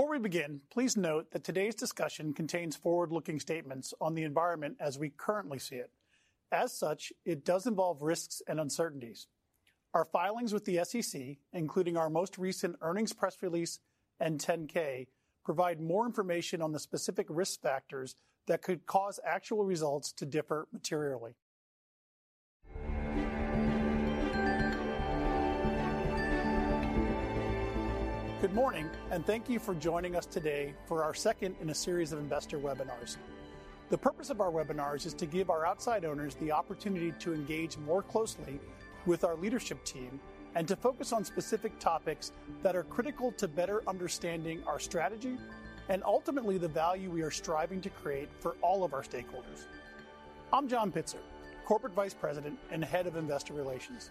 Before we begin, please note that today's discussion contains forward-looking statements on the environment as we currently see it. It does involve risks and uncertainties. Our filings with the SEC, including our most recent earnings press release and 10-K, provide more information on the specific risk factors that could cause actual results to differ materially. Good morning. Thank you for joining us today for our second in a series of investor webinars. The purpose of our webinars is to give our outside owners the opportunity to engage more closely with our leadership team and to focus on specific topics that are critical to better understanding our strategy and ultimately the value we are striving to create for all of our stakeholders. I'm John Pitzer, Corporate Vice President and head of investor relations.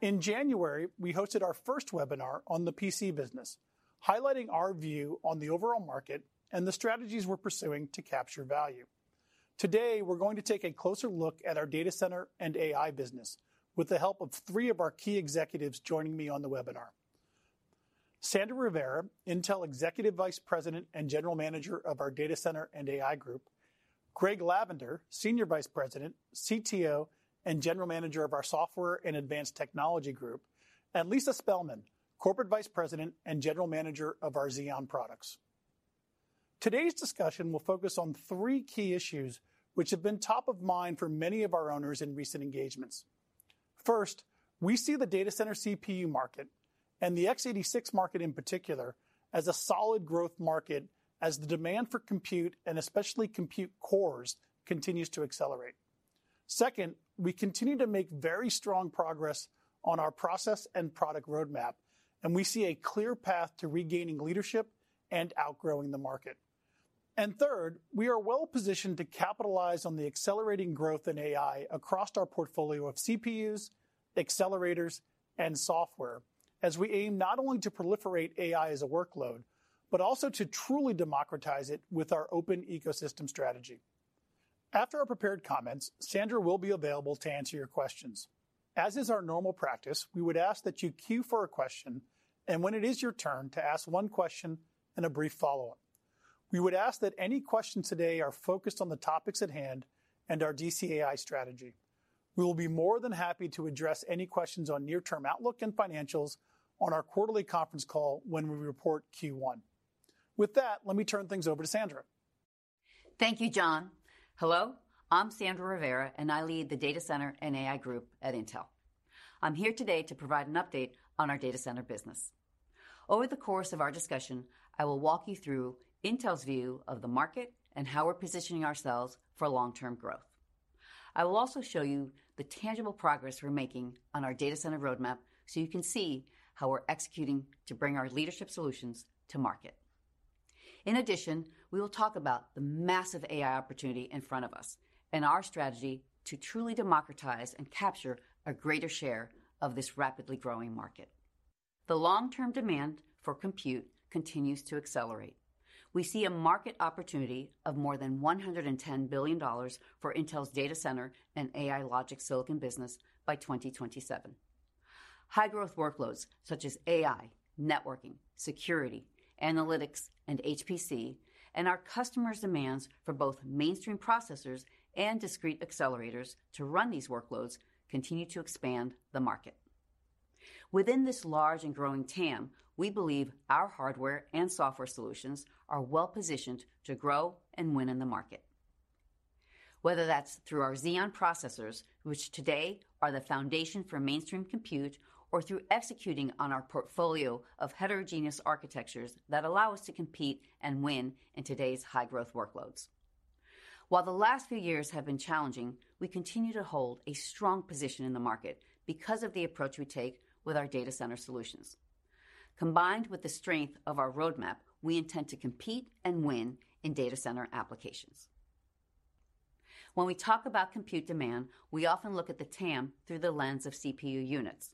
In January, we hosted our first webinar on the PC business, highlighting our view on the overall market and the strategies we're pursuing to capture value. Today, we're going to take a closer look at our Data Center and AI business with the help of three of our key executives joining me on the webinar. Sandra Rivera, Intel Executive Vice President and General Manager of our Data Center and AI Group, Greg Lavender, Senior Vice President, CTO, and General Manager of our Software and Advanced Technology Group, and Lisa Spelman, Corporate Vice President and General Manager of our Xeon products. Today's discussion will focus on three key issues which have been top of mind for many of our owners in recent engagements. First, we see the data center CPU market and the x86 market in particular, as a solid growth market as the demand for compute, and especially compute cores, continues to accelerate. Second, we continue to make very strong progress on our process and product roadmap, and we see a clear path to regaining leadership and outgrowing the market. Third, we are well-positioned to capitalize on the accelerating growth in AI across our portfolio of CPUs, accelerators, and software as we aim not only to proliferate AI as a workload, but also to truly democratize it with our open ecosystem strategy. After our prepared comments, Sandra will be available to answer your questions. As is our normal practice, we would ask that you queue for a question, and when it is your turn to ask one question and a brief follow-up. We would ask that any questions today are focused on the topics at hand and our DCAI strategy. We will be more than happy to address any questions on near-term outlook and financials on our quarterly conference call when we report Q one. With that, let me turn things over to Sandra. Thank you, John. Hello, I'm Sandra Rivera. I lead the Data Center and AI Group at Intel. I'm here today to provide an update on our data center business. Over the course of our discussion, I will walk you through Intel's view of the market and how we're positioning ourselves for long-term growth. I will also show you the tangible progress we're making on our data center roadmap. You can see how we're executing to bring our leadership solutions to market. We will talk about the massive AI opportunity in front of us and our strategy to truly democratize and capture a greater share of this rapidly growing market. The long-term demand for compute continues to accelerate. We see a market opportunity of more than $110 billion for Intel's data center and AI logic silicon business by 2027. High-growth workloads such as AI, networking, security, analytics, and HPC, and our customers' demands for both mainstream processors and discrete accelerators to run these workloads continue to expand the market. Within this large and growing TAM, we believe our hardware and software solutions are well-positioned to grow and win in the market. Whether that's through our Xeon processors, which today are the foundation for mainstream compute, or through executing on our portfolio of heterogeneous architectures that allow us to compete and win in today's high-growth workloads. While the last few years have been challenging, we continue to hold a strong position in the market because of the approach we take with our data center solutions. Combined with the strength of our roadmap, we intend to compete and win in data center applications. When we talk about compute demand, we often look at the TAM through the lens of CPU units.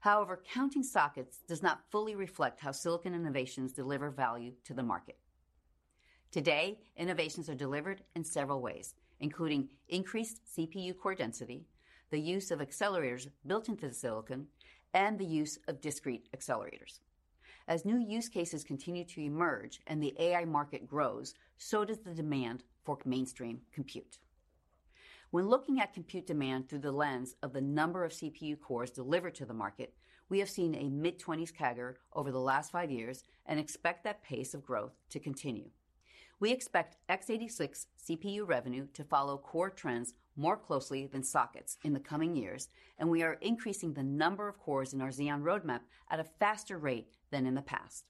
However, counting sockets does not fully reflect how silicon innovations deliver value to the market. Today, innovations are delivered in several ways, including increased CPU core density, the use of accelerators built into the silicon, and the use of discrete accelerators. As new use cases continue to emerge and the AI market grows, so does the demand for mainstream compute. When looking at compute demand through the lens of the number of CPU cores delivered to the market, we have seen a mid-20s CAGR over the last five years and expect that pace of growth to continue. We expect x86 CPU revenue to follow core trends more closely than sockets in the coming years, and we are increasing the number of cores in our Xeon roadmap at a faster rate than in the past.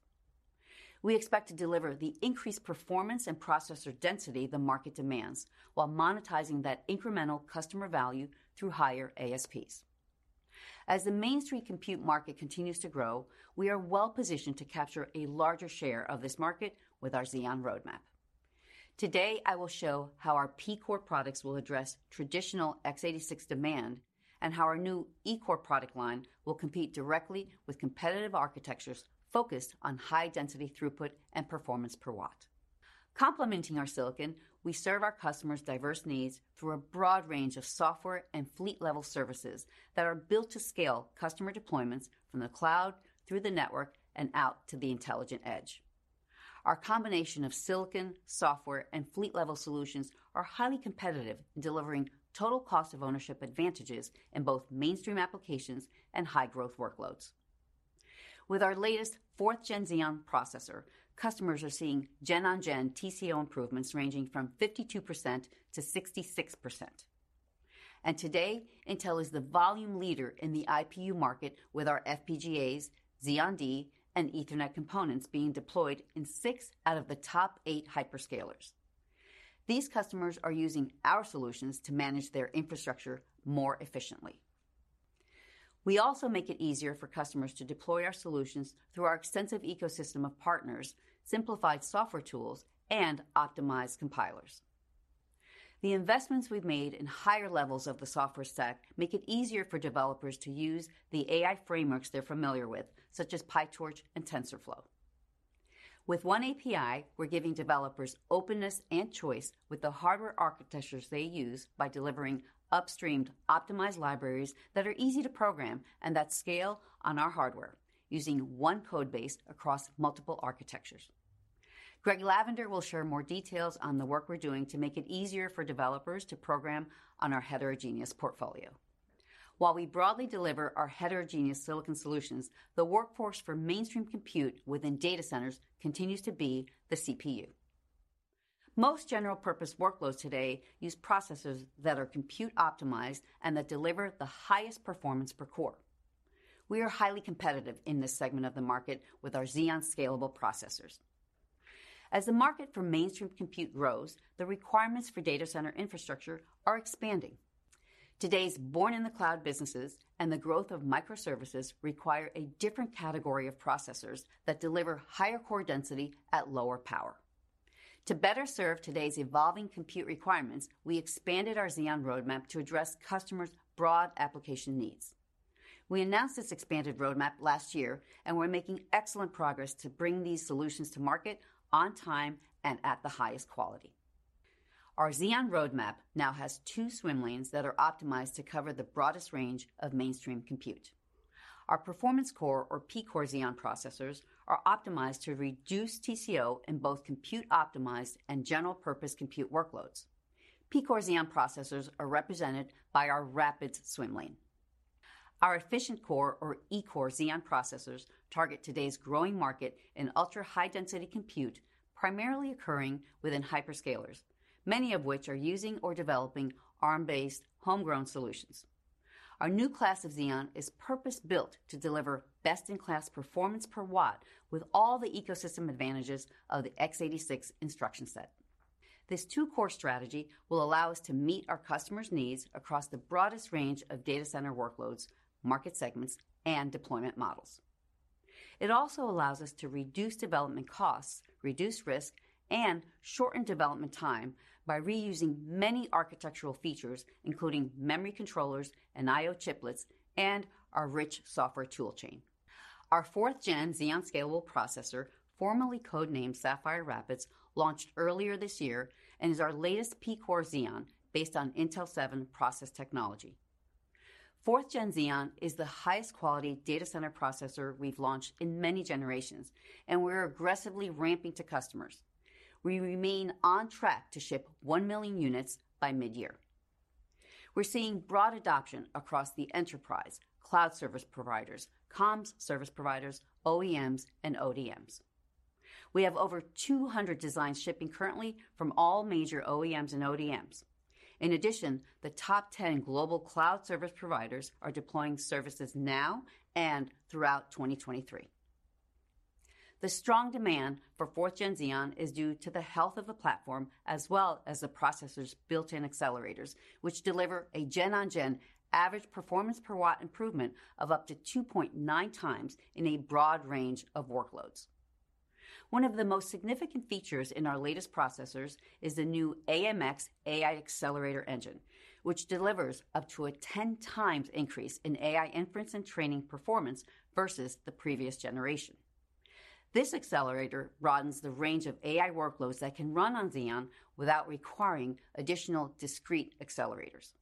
We expect to deliver the increased performance and processor density the market demands while monetizing that incremental customer value through higher ASPs. As the mainstream compute market continues to grow, we are well-positioned to capture a larger share of this market with our Xeon roadmap. Today, I will show how our P-core pruructs will address traditional x86 demand and how our new E-core product line will compete directly with competitive architectures focused on high density throughput and performance per watt. Complementing our silicon, we serve our customers' diverse needs through a broad range of software and fleet-level services that are built to scale customer deployments from the cloud through the network and out to the intelligent edge. Our combination of silicon, software, and fleet-level solutions are highly competitive in delivering total cost of ownership advantages in both mainstream applications and high-growth workloads. With our latest 4th-gen Xeon processor, customers are seeing gen-on-gen TCO improvements ranging from 52%-66%. Today, Intel is the volume leader in the IPU market with our FPGAs, Xeon D, and Ethernet components being deployed in six out of the top eight hyperscalers. These customers are using our solutions to manage their infrastructure more efficiently. We also make it easier for customers to deploy our solutions through our extensive ecosystem of partners, simplified software tools, and optimized compilers. The investments we've made in higher levels of the software stack make it easier for developers to use the AI frameworks they're familiar with, such as PyTorch and TensorFlow. With oneAPI, we're giving developers openness and choice with the hardware architectures they use by delivering upstreamed optimized libraries that are easy to program and that scale on our hardware, using one code base across multiple architectures. Greg Lavender will share more details on the work we're doing to make it easier for developers to program on our heterogeneous portfolio. We broadly deliver our heterogeneous silicon solutions, the workforce for mainstream compute wit hin data centers continues to be the CPU. Most general purpose workloads today use processors that are compute optimized and that deliver the highest performance per core. We are highly competitive in this segment of the market with our Xeon scalable processors. The market for mainstream compute grows, the requirements for data center infrastructure are expanding. Today's born-in-the-cloud businesses and the growth of microservices require a different category of processors that deliver higher core density at lower power. To better serve today's evolving compute requirements, we expanded our Xeon roadmap to address customers' broad application needs. We announced this expanded roadmap last year, and we're making excellent progress to bring these solutions to market on time and at the highest quality. Our Xeon roadmap now has two swim lanes that are optimized to cover the broadest range of mainstream compute. Our P-core Xeon processors are optimized to reduce TCO in both compute optimized and general purpose compute workloads. P-core Xeon processors are represented by our Rapids swim lane. Our E-core Xeon processors target today's growing market in ultra-high-density compute, primarily occurring within hyperscalers, many of which are using or developing Arm-based homegrown solutions. Our new class of Xeon is purpose-built to deliver best-in-class performance per watt with all the ecosystem advantages of the x86 instruction set. This two-core strategy will allow us to meet our customers' needs across the broadest range of data center workloads, market segments, and deployment models. It also allows us to reduce development costs, reduce risk, and shorten development time by reusing many architectural features, including memory controllers and I/O chiplets and our rich software tool chain. Our 4th-gen Xeon Scalable processor, formerly code-named Sapphire Rapids, launched earlier this year and is our latest P-core Xeon based on Intel 7 process technology. 4th-gen Xeon is the highest quality data center processor we've launched in many generations, and we're aggressively ramping to customers. We remain on track to ship 1 million units by mid-year. We're seeing broad adoption across the enterprise, cloud service providers, comms service providers, OEMs, and ODMs. We have over 200 designs shipping currently from all major OEMs and ODMs. In addition, the top 10 global cloud service providers are deploying services now and throughout 2023. The strong demand for 4th-gen Xeon is due to the health of the platform as well as the processor's built-in accelerators, which deliver a gen-on-gen average performance per watt improvement of up to 2.9x in a broad range of workloads. One of the most significant features in our latest processors is the new AMX AI accelerator engine, which delivers up to a 10 times increase in AI inference and training performance versus the previous generation. This accelerator broadens the range of AI workloads that can run on Xeon without requiring additional discrete accelerators.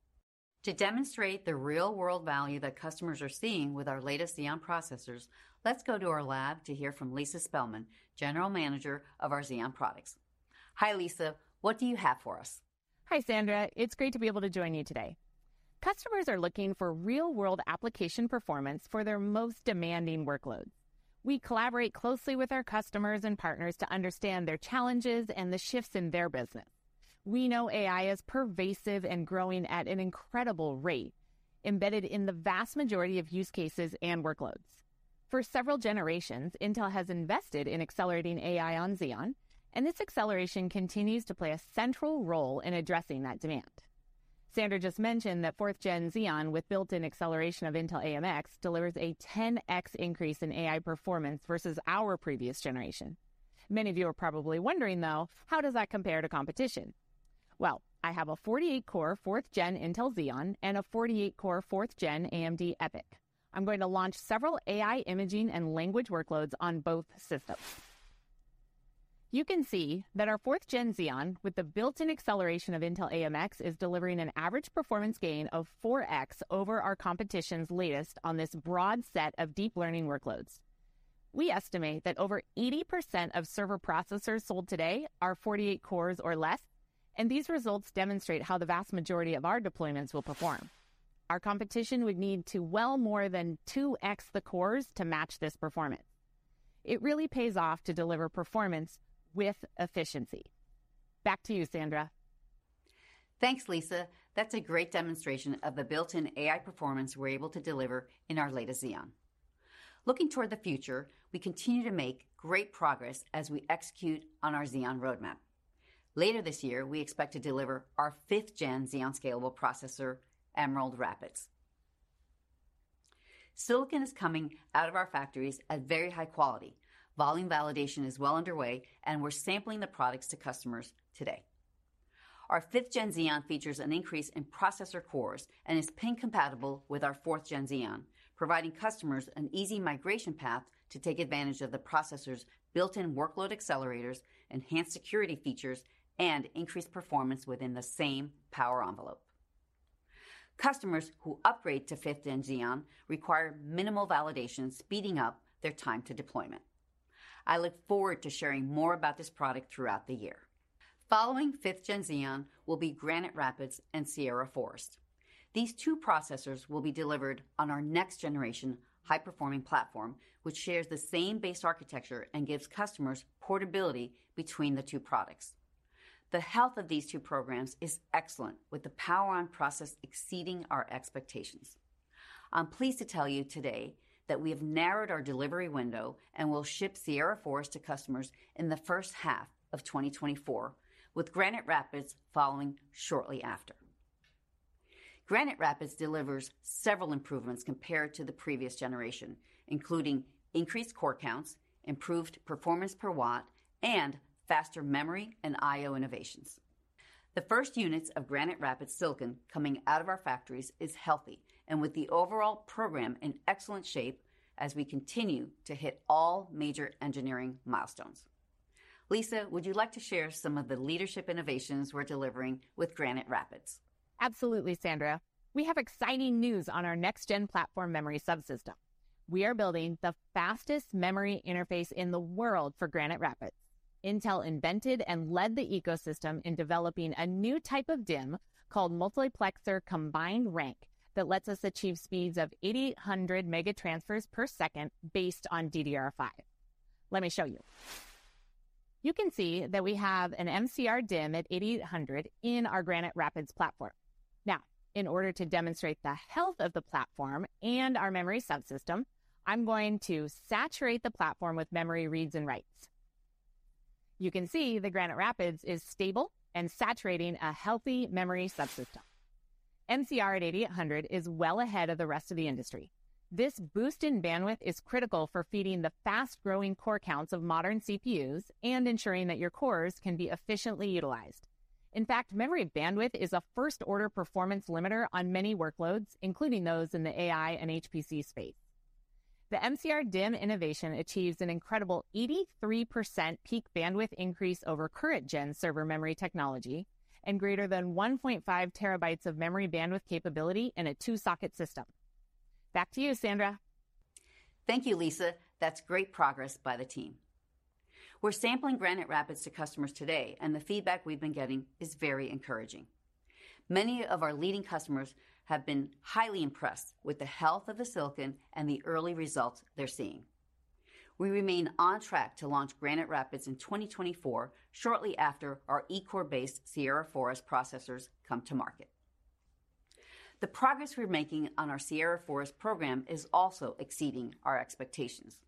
To demonstrate the real-world value that customers are seeing with our latest Xeon processors, let's go to our lab to hear from Lisa Spelman, General Manager of our Xeon products. Hi, Lisa. What do you have for us? Hi, Sandra. It's great to be able to join you today. Customers are looking for real-world application performance for their most demanding workloads. We collaborate closely with our customers and partners to understand their challenges and the shifts in their business. We know AI is pervasive and growing at an incredible rate, embedded in the vast majority of use cases and workloads. For several generations, Intel has invested in accelerating AI on Xeon, and this acceleration continues to play a central role in addressing that demand. Sandra just mentioned that 4th gen Xeon with built-in acceleration of Intel AMX delivers a 10x increase in AI performance versus our previous generation. Many of you are probably wondering, though, how does that compare to competition? Well, I have a 48-core 4th gen Intel Xeon and a 48-core 4th gen AMD EPYC. I'm going to launch several AI imaging and language workloads on both systems. You can see that our 4th Gen Xeon with the built-in acceleration of Intel AMX is delivering an average performance gain of 4x over our competition's latest on this broad set of deep learning workloads. We estimate that over 80% of server processors sold today are 48 cores or less, and these results demonstrate how the vast majority of our deployments will perform. Our competition would need to well more than 2x the cores to match this performance. It really pays off to deliver performance with efficiency. Back to you, Sandra. Thanks, Lisa. That's a great demonstration of the built-in AI performance we're able to deliver in our latest Xeon. Looking toward the future, we continue to make great progress as we execute on our Xeon roadmap. Later this year, we expect to deliver our 5th Gen Xeon Scalable processor, Emerald Rapids. Silicon is coming out of our factories at very high quality. Volume validation is well underway, and we're sampling the products to customers today. Our 5th Gen Xeon features an increase in processor cores and is pin compatible with our 4th Gen Xeon, providing customers an easy migration path to take advantage of the processor's built-in workload accelerators, enhanced security features, and increased performance within the same power envelope. Customers who upgrade to 5th Gen Xeon require minimal validation, speeding up their time to deployment. I look forward to sharing more about this product throughout the year. Following 5th Gen Xeon will be Granite Rapids and Sierra Forest. These two processors will be delivered on our next generation high-performing platform, which shares the same base architecture and gives customers portability between the two products. The health of these two programs is excellent, with the power on process exceeding our expectations. I'm pleased to tell you today that we have narrowed our delivery window, and we'll ship Sierra Forest to customers in the first half of 2024, with Granite Rapids following shortly after. Granite Rapids delivers several improvements compared to the previous generation, including increased core counts, improved performance per watt, and faster memory and IO innovations. The first units of Granite Rapids silicon coming out of our factories is healthy, and with the overall program in excellent shape as we continue to hit all major engineering milestones. Lisa, would you like to share some of the leadership innovations we're delivering with Granite Rapids? Absolutely, Sandra. We have exciting news on our next gen platform memory subsystem. We are building the fastest memory interface in the world for Granite Rapids. Intel invented and led the ecosystem in developing a new type of DIMM called Multiplexer Combined Rank that lets us achieve speeds of 8,000 mega transfers per second based on DDR5. Let me show you. You can see that we have an MCR DIMM at 8,000 in our Granite Rapids platform. In order to demonstrate the health of the platform and our memory subsystem, I'm going to saturate the platform with memory reads and writes. You can see the Granite Rapids is stable and saturating a healthy memory subsystem. MCR at 8,000 is well ahead of the rest of the industry. This boost in bandwidth is critical for feeding the fast-growing core counts of modern CPUs and ensuring that your cores can be efficiently utilized. In fact, memory bandwidth is a first order performance limiter on many workloads, including those in the AI and HPC space. The MCR DIMM innovation achieves an incredible 83% peak bandwidth increase over current gen server memory technology and greater than 1.5 terabytes of memory bandwidth capability in a 2-socket system. Back to you, Sandra. Thank you, Lisa. That's great progress by the team. We're sampling Granite Rapids to customers today, and the feedback we've been getting is very encouraging. Many of our leading customers have been highly impressed with the health of the silicon and the early results they're seeing. We remain on track to launch Granite Rapids in 2024, shortly after our E-core based Sierra Forest processors come to market. The progress we're making on our Sierra Forest program is also exceeding our expectations.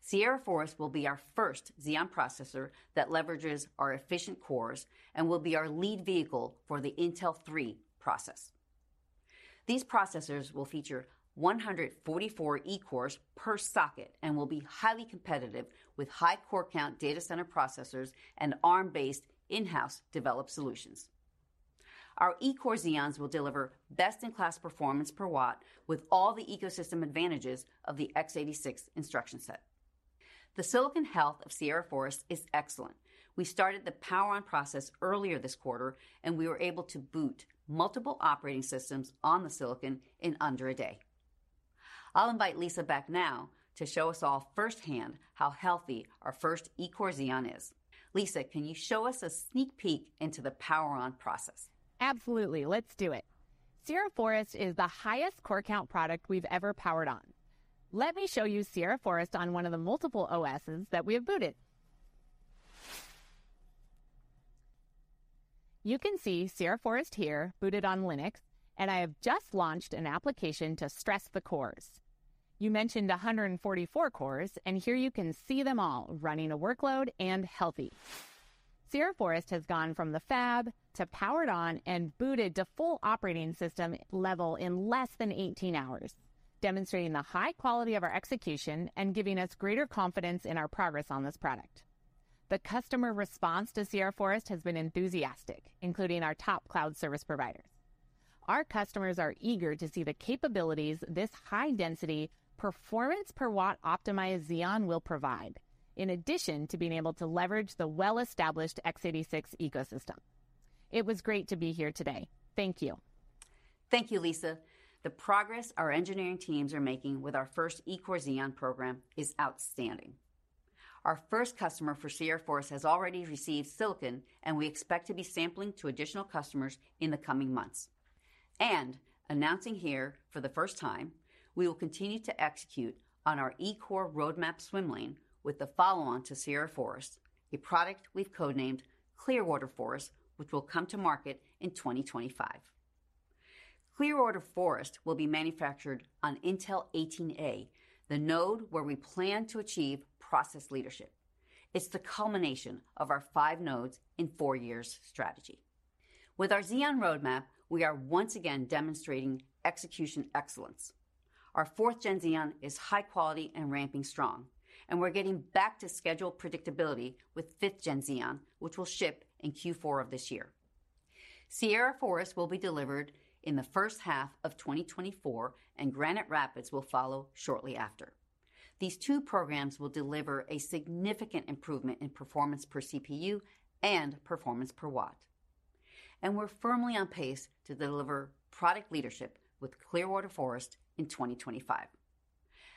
Sierra Forest will be our first Xeon processor that leverages our efficient cores and will be our lead vehicle for the Intel 3 process. These processors will feature 144 E-cores per socket and will be highly competitive with high core count data center processors and Arm-based in-house developed solutions. Our E-core Xeons will deliver best in class performance per watt with all the ecosystem advantages of the x86 instruction set. The silicon health of Sierra Forest is excellent. We started the power on process earlier this quarter, and we were able to boot multiple operating systems on the silicon in under a day. I'll invite Lisa back now to show us all firsthand how healthy our first E-core Xeon is. Lisa, can you show us a sneak peek into the power on process? Absolutely. Let's do it. Sierra Forest is the highest core count product we've ever powered on. Let me show you Sierra Forest on one of the multiple OS's that we have booted. You can see Sierra Forest here booted on Linux. I have just launched an application to stress the cores. You mentioned 144 cores. Here you can see them all running a workload and healthy. Sierra Forest has gone from the fab to powered on and booted to full operating system level in less than 18 hours, demonstrating the high quality of our execution and giving us greater confidence in our progress on this product. The customer response to Sierra Forest has been enthusiastic, including our top cloud service providers. Our customers are eager to see the capabilities this high density performance per watt optimized Xeon will provide in addition to being able to leverage the well-established x86 ecosystem. It was great to be here today. Thank you Thank you, Lisa. The progress our engineering teams are making with our first E-core Xeon program is outstanding. Our first customer for Sierra Forest has already received silicon, and we expect to be sampling to additional customers in the coming months. Announcing here for the first time, we will continue to execute on our E-core roadmap swim lane with the follow-on to Sierra Forest, a product we've codenamed Clearwater Forest, which will come to market in 2025. Clearwater Forest will be manufactured on Intel 18A, the node where we plan to achieve process leadership. It's the culmination of our 5 nodes in 4 years strategy. With our Xeon roadmap, we are once again demonstrating execution excellence. Our fourth Gen Xeon is high quality and ramping strong, and we're getting back to schedule predictability with fifth Gen Xeon, which will ship in Q4 of this year. Sierra Forest will be delivered in the first half of 2024. Granite Rapids will follow shortly after. These two programs will deliver a significant improvement in performance per CPU and performance per watt. We're firmly on pace to deliver product leadership with Clearwater Forest in 2025.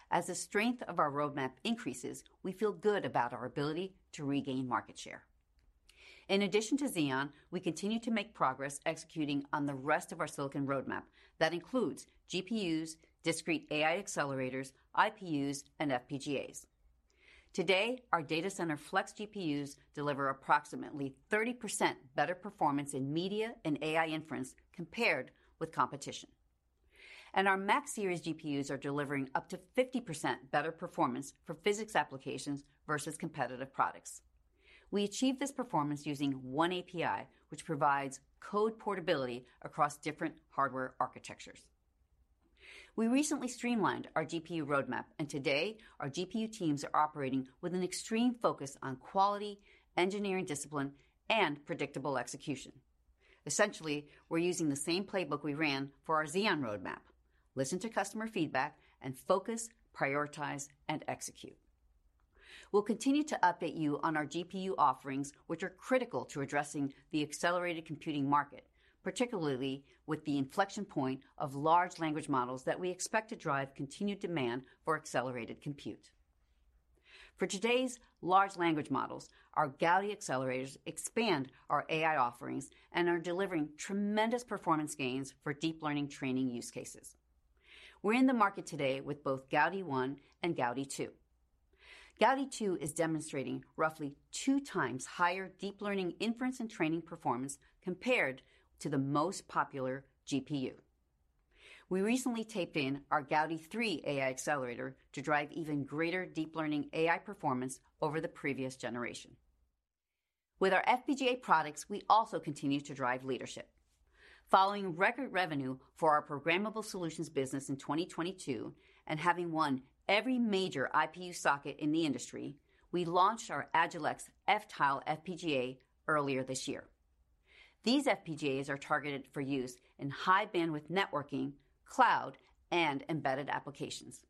As the strength of our roadmap increases, we feel good about our ability to regain market share. In addition to Xeon, we continue to make progress executing on the rest of our silicon roadmap. That includes GPUs, discrete AI accelerators, IPUs, and FPGAs. Today, our Data Center Flex GPUs deliver approximately 30% better performance in media and AI inference compared with competition. Our Max series GPUs are delivering up to 50% better performance for physics applications versus competitive products. We achieve this performance using oneAPI, which provides code portability across different hardware architectures. We recently streamlined our GPU roadmap. Today, our GPU teams are operating with an extreme focus on quality, engineering discipline, and predictable execution. Essentially, we're using the same playbook we ran for our Xeon roadmap. Listen to customer feedback and focus, prioritize, and execute. We'll continue to update you on our GPU offerings, which are critical to addressing the accelerated computing market, particularly with the inflection point of large language models that we expect to drive continued demand for accelerated compute. For today's large language models, our Gaudi accelerators expand our AI offerings and are delivering tremendous performance gains for deep learning training use cases. We're in the market today with both Gaudi One and Gaudi 2. Gaudi 2 is demonstrating roughly 2 times higher deep learning inference and training performance compared to the most popular GPU. We recently taped in our Gaudi 3 AI accelerator to drive even greater deep learning AI performance over the previous generation. With our FPGA products, we also continue to drive leadership. Following record revenue for our programmable solutions business in 2022 and having won every major IPU socket in the industry, we launched our Agilex F-Tile FPGA earlier this year. These FPGAs are targeted for use in high bandwidth networking, cloud, and embedded applications.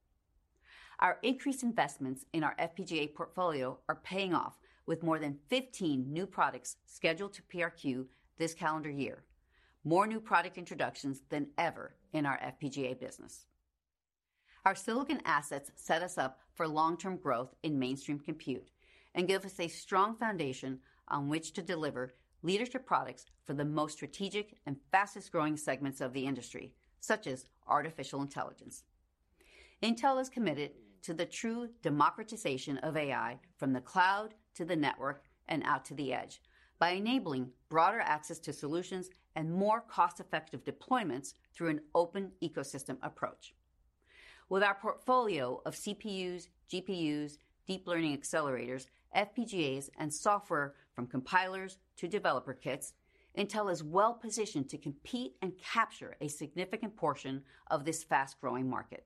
Our increased investments in our FPGA portfolio are paying off with more than 15 new products scheduled to PRQ this calendar year, more new product introductions than ever in our FPGA business. Our silicon assets set us up for long-term growth in mainstream compute and give us a strong foundation on which to deliver leadership products for the most strategic and fastest growing segments of the industry, such as artificial intelligence. Intel is committed to the true democratization of AI from the cloud to the network and out to the edge by enabling broader access to solutions and more cost-effective deployments through an open ecosystem approach. With our portfolio of CPUs, GPUs, deep learning accelerators, FPGAs, and software from compilers to developer kits, Intel is well positioned to compete and capture a significant portion of this fast-growing market.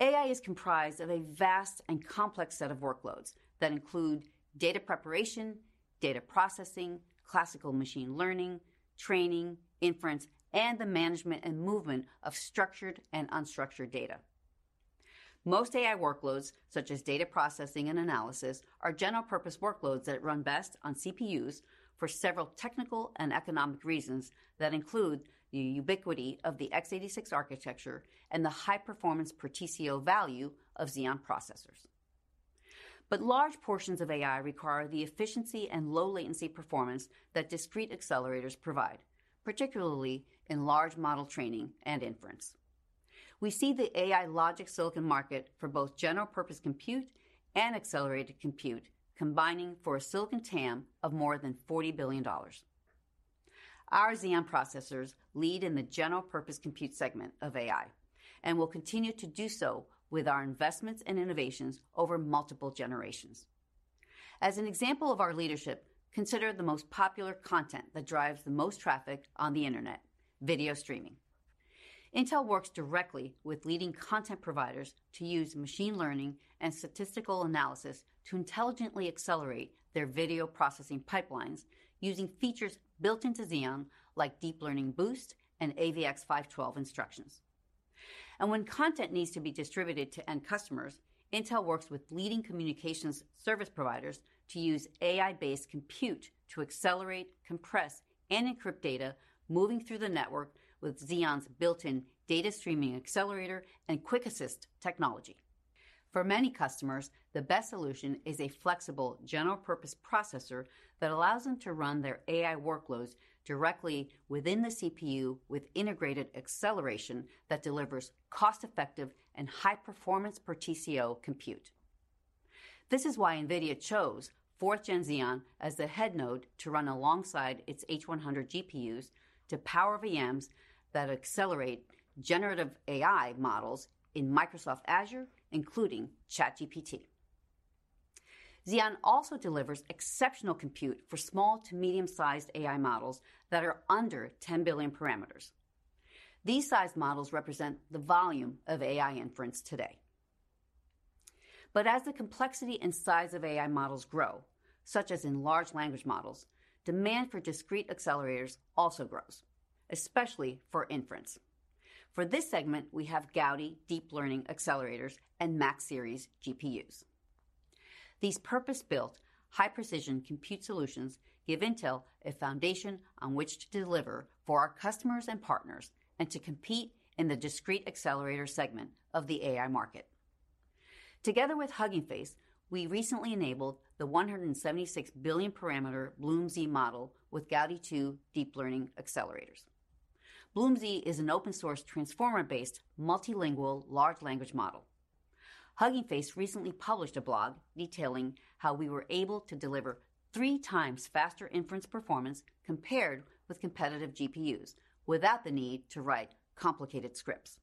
AI is comprised of a vast and complex set of workloads that include data preparation, data processing, classical machine learning, training, inference, and the management and movement of structured and unstructured data. Most AI workloads, such as data processing and analysis, are general purpose workloads that run best on CPUs for several technical and economic reasons that include the ubiquity of the x86 architecture and the high performance per TCO value of Xeon processors. Large portions of AI require the efficiency and low latency performance that discrete accelerators provide, particularly in large model training and inference. We see the AI logic silicon market for both general purpose compute and accelerated compute combining for a silicon TAM of more than $40 billion. Our Xeon processors lead in the general purpose compute segment of AI and will continue to do so with our investments and innovations over multiple generations. As an example of our leadership, consider the most popular content that drives the most traffic on the Internet, video streaming. Intel works directly with leading content providers to use machine learning and statistical analysis to intelligently accelerate their video processing pipelines using features built into Xeon like Deep Learning Boost and AVX-512 instructions. When content needs to be distributed to end customers, Intel works with leading communications service providers to use AI-based compute to accelerate, compress, and encrypt data moving through the network with Xeon's built-in data streaming accelerator and QuickAssist Technology. For many customers, the best solution is a flexible general purpose processor that allows them to run their AI workloads directly within the CPU with integrated acceleration that delivers cost-effective and high performance per TCO compute. This is why NVIDIA chose 4th Gen Xeon as the head node to run alongside its H100 GPUs to power VMs that accelerate generative AI models in Microsoft Azure, including ChatGPT. Xeon also delivers exceptional compute for small to medium-sized AI models that are under 10 billion parameters. These size models represent the volume of AI inference today. As the complexity and size of AI models grow, such as in large language models, demand for discrete accelerators also grows, especially for inference. For this segment, we have Gaudi deep learning accelerators and Max-series GPUs. These purpose-built high precision compute solutions give Intel a foundation on which to deliver for our customers and partners and to compete in the discrete accelerator segment of the AI market. Together with Hugging Face, we recently enabled the 176 billion parameter BLOOM model with Gaudi 2 deep learning accelerators. BLOOM is an open source transformer-based multilingual large language model. Hugging Face recently published a blog detailing how we were able to deliver 3 times faster inference performance compared with competitive GPUs without the need to write complicated scripts.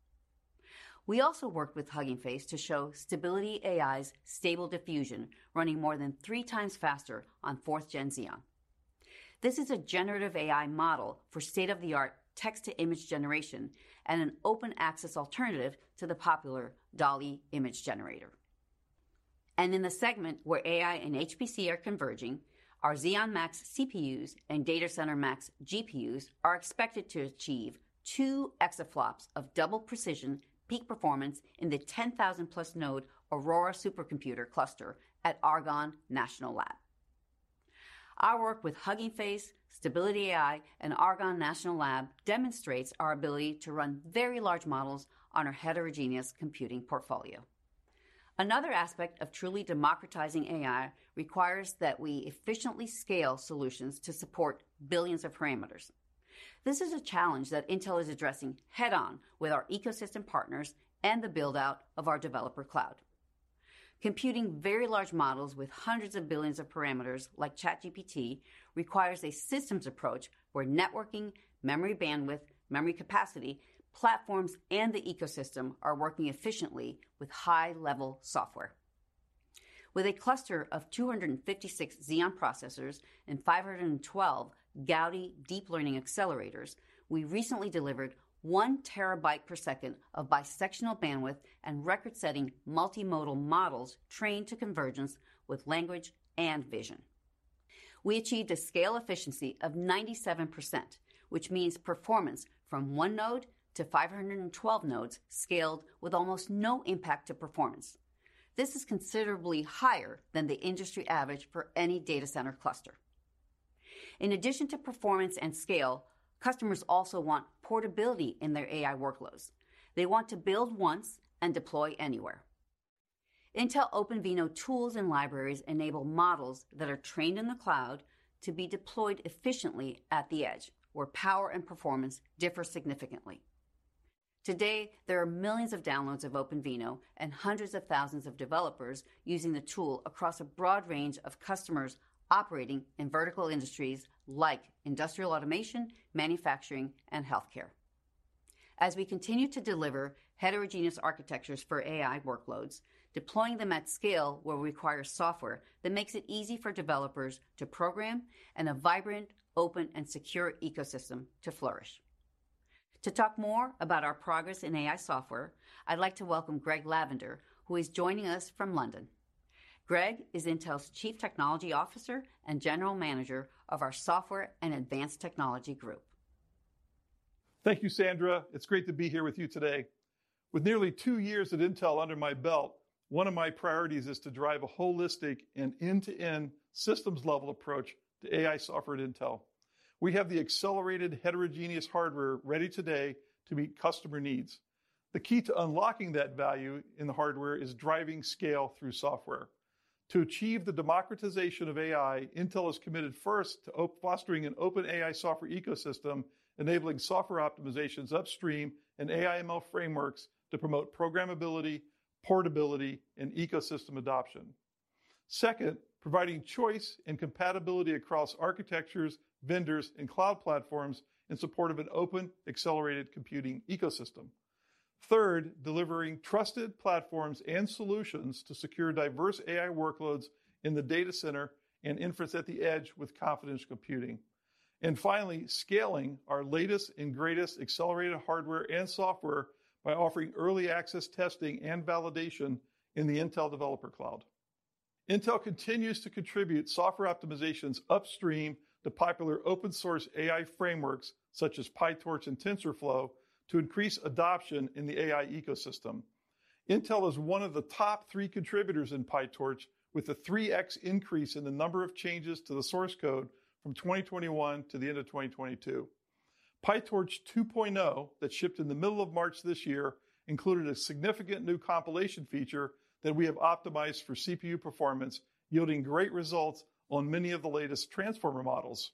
We also worked with Hugging Face to show Stability AI's Stable Diffusion running more than three times faster on fourth gen Xeon. This is a generative AI model for state-of-the-art text to image generation and an open access alternative to the popular DALL-E image generator. In the segment where AI and HPC are converging, our Xeon Max CPUs and Data Center Max GPUs are expected to achieve two exaFLOPS of double precision peak performance in the 10,000+ node Aurora supercomputer cluster at Argonne National Lab. Our work with Hugging Face, Stability AI, and Argonne National Lab demonstrates our ability to run very large models on our heterogeneous computing portfolio. Another aspect of truly democratizing AI requires that we efficiently scale solutions to support billions of parameters. This is a challenge that Intel is addressing head-on with our ecosystem partners and the build-out of our Developer Cloud. Computing very large models with hundreds of billions of parameters like ChatGPT requires a systems approach where networking, memory bandwidth, memory capacity, platforms, and the ecosystem are working efficiently with high-level software. With a cluster of 256 Xeon processors and 512 Gaudi deep learning accelerators, we recently delivered 1 TB per second of bisectional bandwidth and record-setting multimodal models trained to convergence with language and vision. We achieved a scale efficiency of 97%, which means performance from one node to 512 nodes scaled with almost no impact to performance. This is considerably higher than the industry average for any data center cluster. In addition to performance and scale, customers also want portability in their AI workloads. They want to build once and deploy anywhere. Intel OpenVINO tools and libraries enable models that are trained in the cloud to be deployed efficiently at the edge, where power and performance differ significantly. Today, there are millions of downloads of OpenVINO and hundreds of thousands of developers using the tool across a broad range of customers operating in vertical industries like industrial automation, manufacturing, and healthcare. As we continue to deliver heterogeneous architectures for AI workloads, deploying them at scale will require software that makes it easy for developers to program and a vibrant, open, and secure ecosystem to flourish. To talk more about our progress in AI software, I'd like to welcome Greg Lavender, who is joining us from London. Greg is Intel's Chief Technology Officer and General Manager of our Software and Advanced Technology Group. Thank you, Sandra. It's great to be here with you today. With nearly two years at Intel under my belt, one of my priorities is to drive a holistic and end-to-end systems level approach to AI software at Intel. We have the accelerated heterogeneous hardware ready today to meet customer needs. The key to unlocking that value in the hardware is driving scale through software. To achieve the democratization of AI, Intel is committed first to fostering an open AI software ecosystem, enabling software optimizations upstream and AI ML frameworks to promote programmability, portability, and ecosystem adoption. Second, providing choice and compatibility across architectures, vendors, and cloud platforms in support of an open accelerated computing ecosystem. Third, delivering trusted platforms and solutions to secure diverse AI workloads in the data center and inference at the edge with Confidential Computing. Finally, scaling our latest and greatest accelerated hardware and software by offering early access testing and validation in the Intel Developer Cloud. Intel continues to contribute software optimizations upstream to popular open source AI frameworks such as PyTorch and TensorFlow to increase adoption in the AI ecosystem. Intel is one of the top 3 contributors in PyTorch, with a 3x increase in the number of changes to the source code from 2021 to the end of 2022. PyTorch 2.0 that shipped in the middle of March this year included a significant new compilation feature that we have optimized for CPU performance, yielding great results on many of the latest transformer models.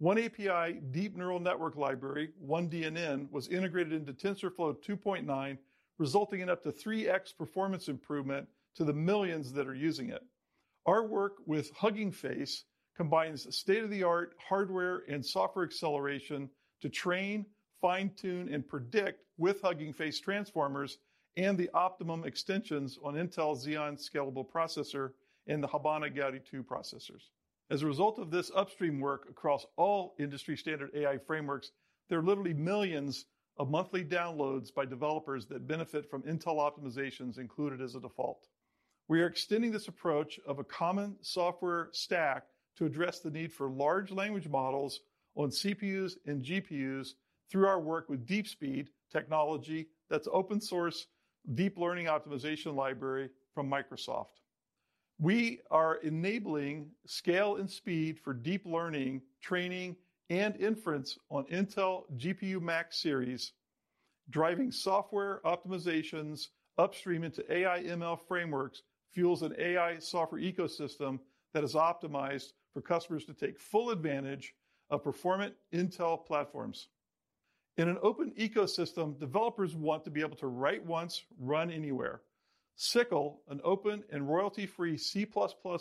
oneAPI Deep Neural Network Library, oneDNN, was integrated into TensorFlow 2.9, resulting in up to 3x performance improvement to the millions that are using it. Our work with Hugging Face combines state-of-the-art hardware and software acceleration to train, fine-tune, and predict with Hugging Face transformers and the optimum extensions on Intel Xeon scalable processor in the Habana Gaudi 2 processors. As a result of this upstream work across all industry standard AI frameworks, there are literally millions of monthly downloads by developers that benefit from Intel optimizations included as a default. We are extending this approach of a common software stack to address the need for large language models on CPUs and GPUs through our work with DeepSpeed technology, that's open source deep learning optimization library from Microsoft. We are enabling scale and speed for deep learning, training, and inference on Intel GPU Max Series. Driving software optimizations upstream into AI ML frameworks fuels an AI software ecosystem that is optimized for customers to take full advantage of performant Intel platforms. In an open ecosystem, developers want to be able to write once, run anywhere. SYCL, an open and royalty-free C++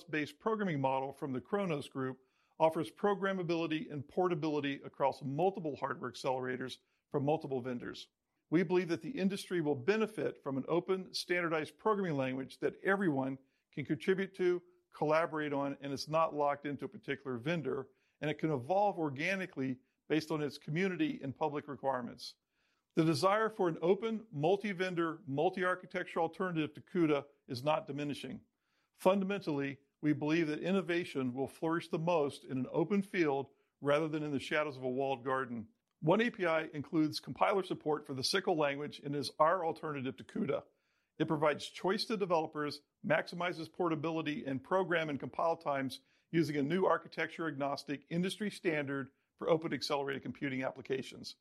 based programming model from the Khronos Group, offers programmability and portability across multiple hardware accelerators from multiple vendors. We believe that the industry will benefit from an open, standardized programming language that everyone can contribute to, collaborate on, and is not locked into a particular vendor, and it can evolve organically based on its community and public requirements. The desire for an open multi-vendor, multi-architecture alternative to CUDA is not diminishing. Fundamentally, we believe that innovation will flourish the most in an open field rather than in the shadows of a walled garden. oneAPI includes compiler support for the SYCL language and is our alternative to CUDA. It provides choice to developers, maximizes portability and program and compile times using a new architecture-agnostic industry standard for open accelerated computing applications.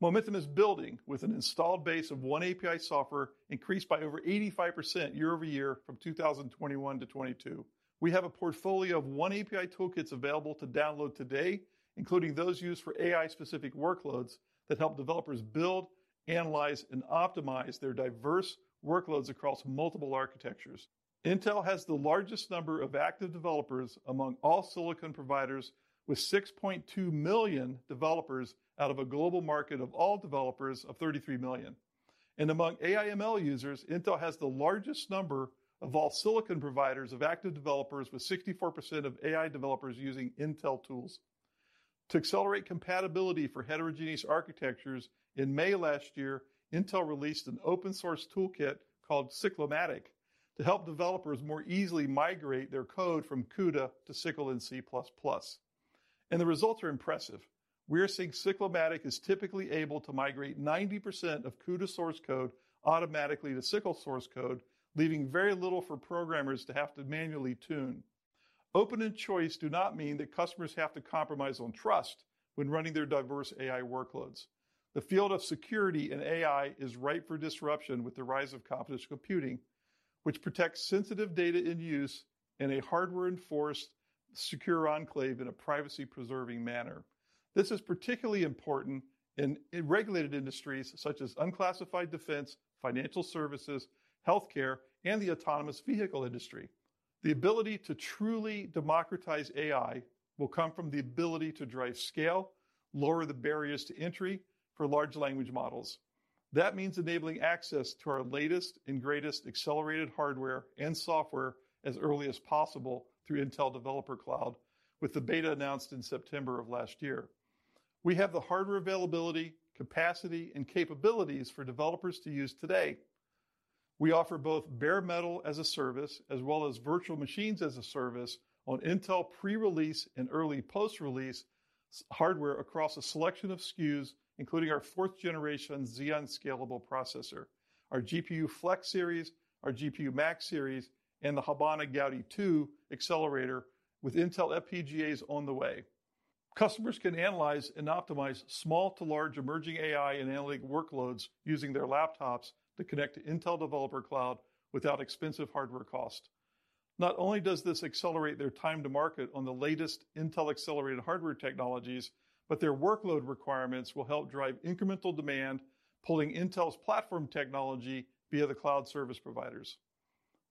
Momentum is building, with an installed base of oneAPI software increased by over 85% year-over-year from 2021 to 2022. We have a portfolio of oneAPI toolkits available to download today, including those used for AI specific workloads that help developers build, analyze, and optimize their diverse workloads across multiple architectures. Intel has the largest number of active developers among all silicon providers, with 6.2 million developers out of a global market of all developers of 33 million. Among AI ML users, Intel has the largest number of all silicon providers of active developers, with 64% of AI developers using Intel tools. To accelerate compatibility for heterogeneous architectures, in May last year, Intel released an open source toolkit called SYCLomatic to help developers more easily migrate their code from CUDA to SYCL and C++. The results are impressive. We are seeing SYCLomatic is typically able to migrate 90% of CUDA source code automatically to SYCL source code, leaving very little for programmers to have to manually tune. Open choice do not mean that customers have to compromise on trust when running their diverse AI workloads. The field of security in AI is ripe for disruption with the rise of Confidential Computing, which protects sensitive data in use in a hardware enforced secure enclave in a privacy preserving manner. This is particularly important in regulated industries such as unclassified defense, financial services, healthcare, and the autonomous vehicle industry. The ability to truly democratize AI will come from the ability to drive scale, lower the barriers to entry for large language models. That means enabling access to our latest and greatest accelerated hardware and software as early as possible through Intel Developer Cloud with the beta announced in September of last year. We have the hardware availability, capacity, and capabilities for developers to use today. We offer both bare metal as a service as well as virtual machines as a service on Intel pre-release and early post-release hardware across a selection of SKUs, including our 4th generation Xeon Scalable processor, our GPU Flex Series, our GPU Max Series, and the Habana Gaudi 2 accelerator with Intel FPGAs on the way. Customers can analyze and optimize small to large emerging AI and analytic workloads using their laptops to connect to Intel Developer Cloud without expensive hardware cost. Not only does this accelerate their time to market on the latest Intel accelerated hardware technologies, but their workload requirements will help drive incremental demand, pulling Intel's platform technology via the cloud service providers.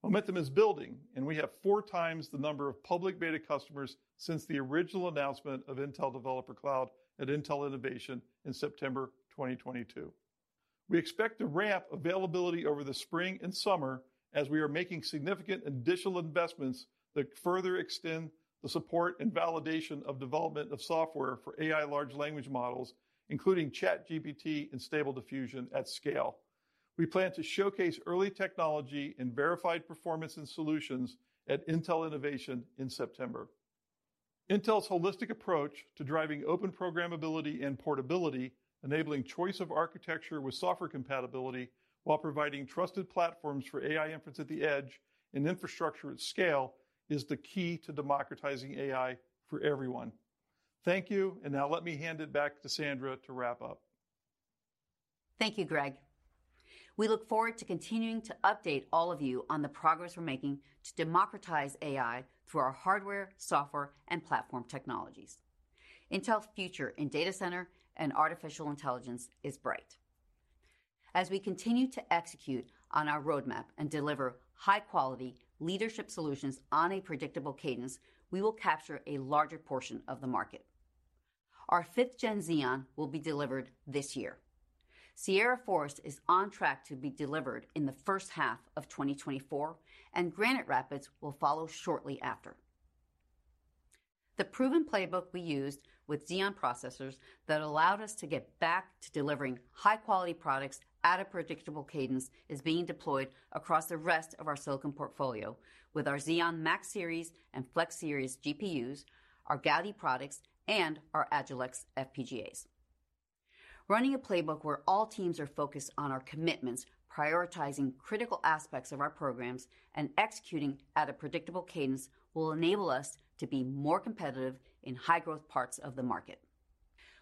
Momentum is building, and we have 4 times the number of public beta customers since the original announcement of Intel Developer Cloud at Intel Innovation in September 2022. We expect to ramp availability over the spring and summer as we are making significant additional investments that further extend the support and validation of development of software for AI large language models, including ChatGPT and Stable Diffusion at scale. We plan to showcase early technology and verified performance and solutions at Intel Innovation in September. Intel's holistic approach to driving open programmability and portability, enabling choice of architecture with software compatibility while providing trusted platforms for AI inference at the edge and infrastructure at scale, is the key to democratizing AI for everyone. Thank you, and now let me hand it back to Sandra to wrap up. Thank you, Greg. We look forward to continuing to update all of you on the progress we're making to democratize AI through our hardware, software, and platform technologies. Intel's future in data center and artificial intelligence is bright. As we continue to execute on our roadmap and deliver high-quality leadership solutions on a predictable cadence, we will capture a larger portion of the market. Our 5th Gen Xeon will be delivered this year. Sierra Forest is on track to be delivered in the first half of 2024, and Granite Rapids will follow shortly after. The proven playbook we used with Xeon processors that allowed us to get back to delivering high-quality products at a predictable cadence is being deployed across the rest of our silicon portfolio with our Xeon Max Series and Flex Series GPUs, our Gaudi products, and our Agilex FPGAs. Running a playbook where all teams are focused on our commitments, prioritizing critical aspects of our programs, and executing at a predictable cadence will enable us to be more competitive in high-growth parts of the market.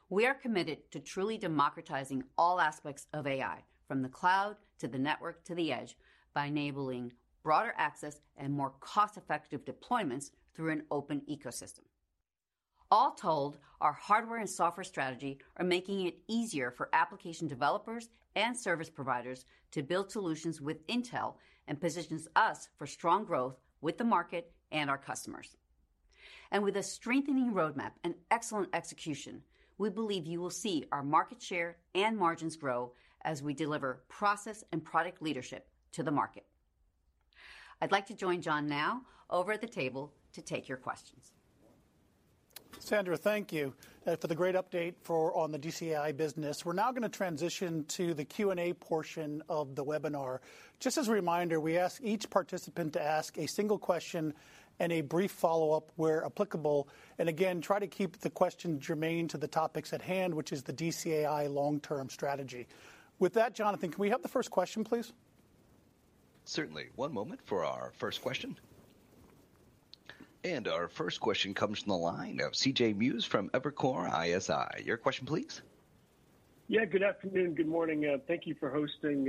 We are committed to truly democratizing all aspects of AI, from the cloud to the network to the edge, by enabling broader access and more cost-effective deployments through an open ecosystem. All told, our hardware and software strategy are making it easier for application developers and service providers to build solutions with Intel and positions us for strong growth with the market and our customers. With a strengthening roadmap and excellent execution, we believe you will see our market share and margins grow as we deliver process and product leadership to the market. I'd like to join John now over at the table to take your questions. Sandra, thank you for the great update on the DCAI business. We're now gonna transition to the Q&A portion of the webinar. Just as a reminder, we ask each participant to ask a single question and a brief follow-up where applicable, and again, try to keep the question germane to the topics at hand, which is the DCAI long-term strategy. With that, Jonathan, can we have the first question, please? Certainly. One moment for our first question. Our first question comes from the line of C.J. Muse from Evercore ISI. Your question please. Good afternoon, good morning. Thank you for hosting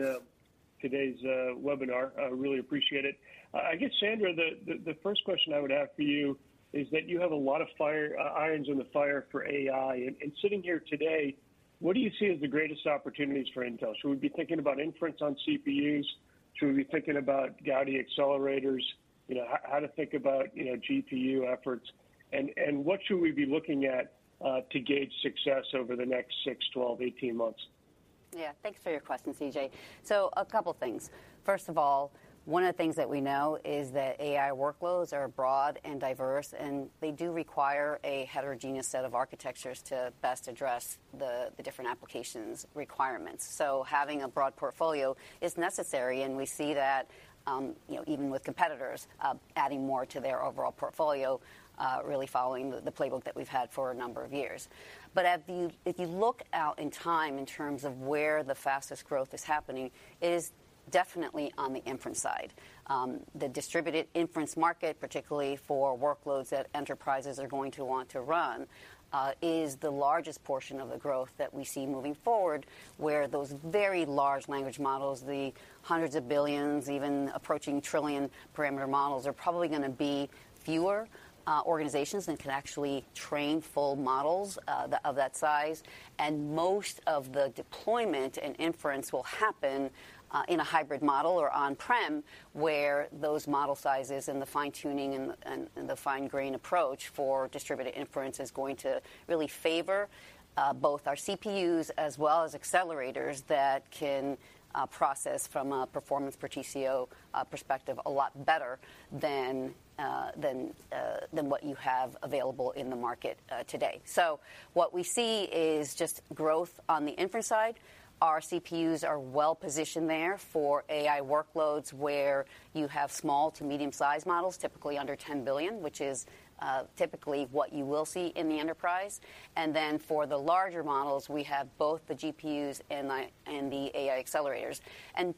today's webinar. I really appreciate it. I guess, Sandra, the first question I would have for you is that you have a lot of irons in the fire for AI. Sitting here today, what do you see as the greatest opportunities for Intel? Should we be thinking about inference on CPUs? Should we be thinking about Gaudi accelerators? How to think about GPU efforts, and what should we be looking at to gauge success over the next 6, 12, 18 months? Yeah. Thanks for your question, CJ. A couple things. First of all, one of the things that we know is that AI workloads are broad and diverse, and they do require a heterogeneous set of architectures to best address the different applications' requirements. Having a broad portfolio is necessary, and we see that, you know, even with competitors, adding more to their overall portfolio, really following the playbook that we've had for a number of years. If you look out in time in terms of where the fastest growth is happening, it is definitely on the inference side. The distributed inference market, particularly for workloads that enterprises are going to want to run, is the largest portion of the growth that we see moving forward, where those very large language models, the hundreds of billions, even approaching trillion parameter models, are probably gonna be fewer organizations that can actually train full models of that size. Most of the deployment and inference will happen in a hybrid model or on-prem, where those model sizes and the fine-tuning and the fine grain approach for distributed inference is going to really favor both our CPUs as well as accelerators that can process from a performance per TCO perspective, a lot better than what you have available in the market today. What we see is just growth on the inference side. Our CPUs are well positioned there for AI workloads where you have small to medium-sized models, typically under 10 billion, which is typically what you will see in the enterprise. For the larger models, we have both the GPUs and the AI accelerators.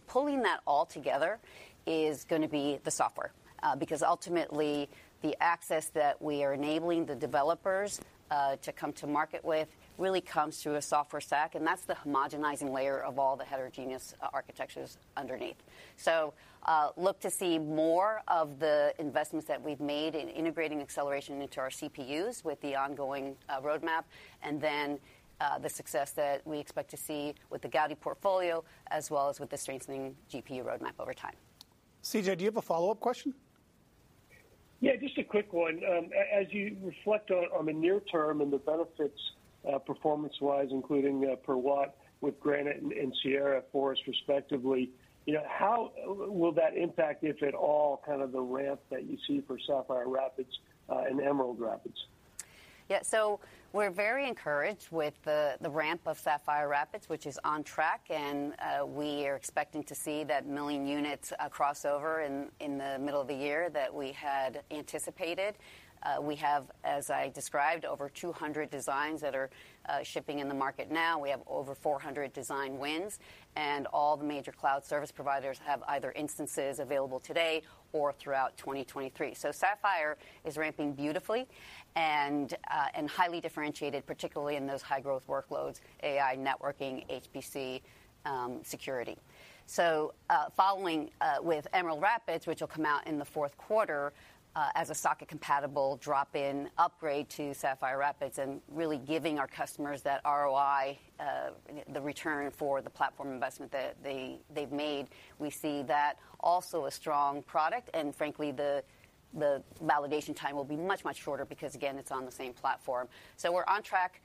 Pulling that all together is gonna be the software. Because ultimately the access that we are enabling the developers to come to market with really comes through a software stack, and that's the homogenizing layer of all the heterogeneous architectures underneath. Look to see more of the investments that we've made in integrating acceleration into our CPUs with the ongoing roadmap, and then the success that we expect to see with the Gaudi portfolio as well as with the strengthening GPU roadmap over time. CJ, do you have a follow-up question? Yeah, just a quick one. As you reflect on the near term and the benefits, performance-wise, including per watt with Granite and Sierra Forest respectively, you know, how will that impact, if at all, kind of the ramp that you see for Sapphire Rapids, and Emerald Rapids? We're very encouraged with the ramp of Sapphire Rapids, which is on track, and we are expecting to see that 1 million units crossover in the middle of the year that we had anticipated. We have, as I described, over 200 designs that are shipping in the market now. We have over 400 design wins. All the major cloud service providers have either instances available today or throughout 2023. Sapphire is ramping beautifully and highly differentiated, particularly in those high growth workloads, AI, networking, HPC, security. Following with Emerald Rapids, which will come out in the fourth quarter as a socket compatible drop-in upgrade to Sapphire Rapids, and really giving our customers that ROI, the return for the platform investment that they've made, we see that also a strong product, and frankly, the validation time will be much, much shorter because again, it's on the same platform. We're on track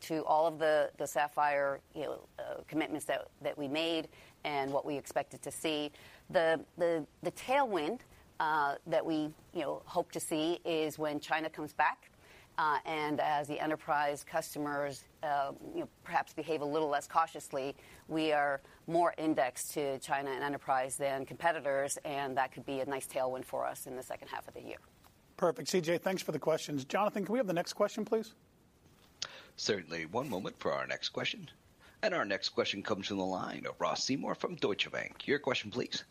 to all of the Sapphire, you know, commitments that we made and what we expected to see. The tailwind, that we, you know, hope to see is when China comes back, and as the enterprise customers, you know, perhaps behave a little less cautiously, we are more indexed to China and enterprise than competitors, and that could be a nice tailwind for us in the second half of the year. Perfect. C.J., thanks for the questions. Jonathan, can we have the next question, please? Certainly. One moment for our next question. Our next question comes from the line of Ross Seymore from Deutsche Bank. Your question please.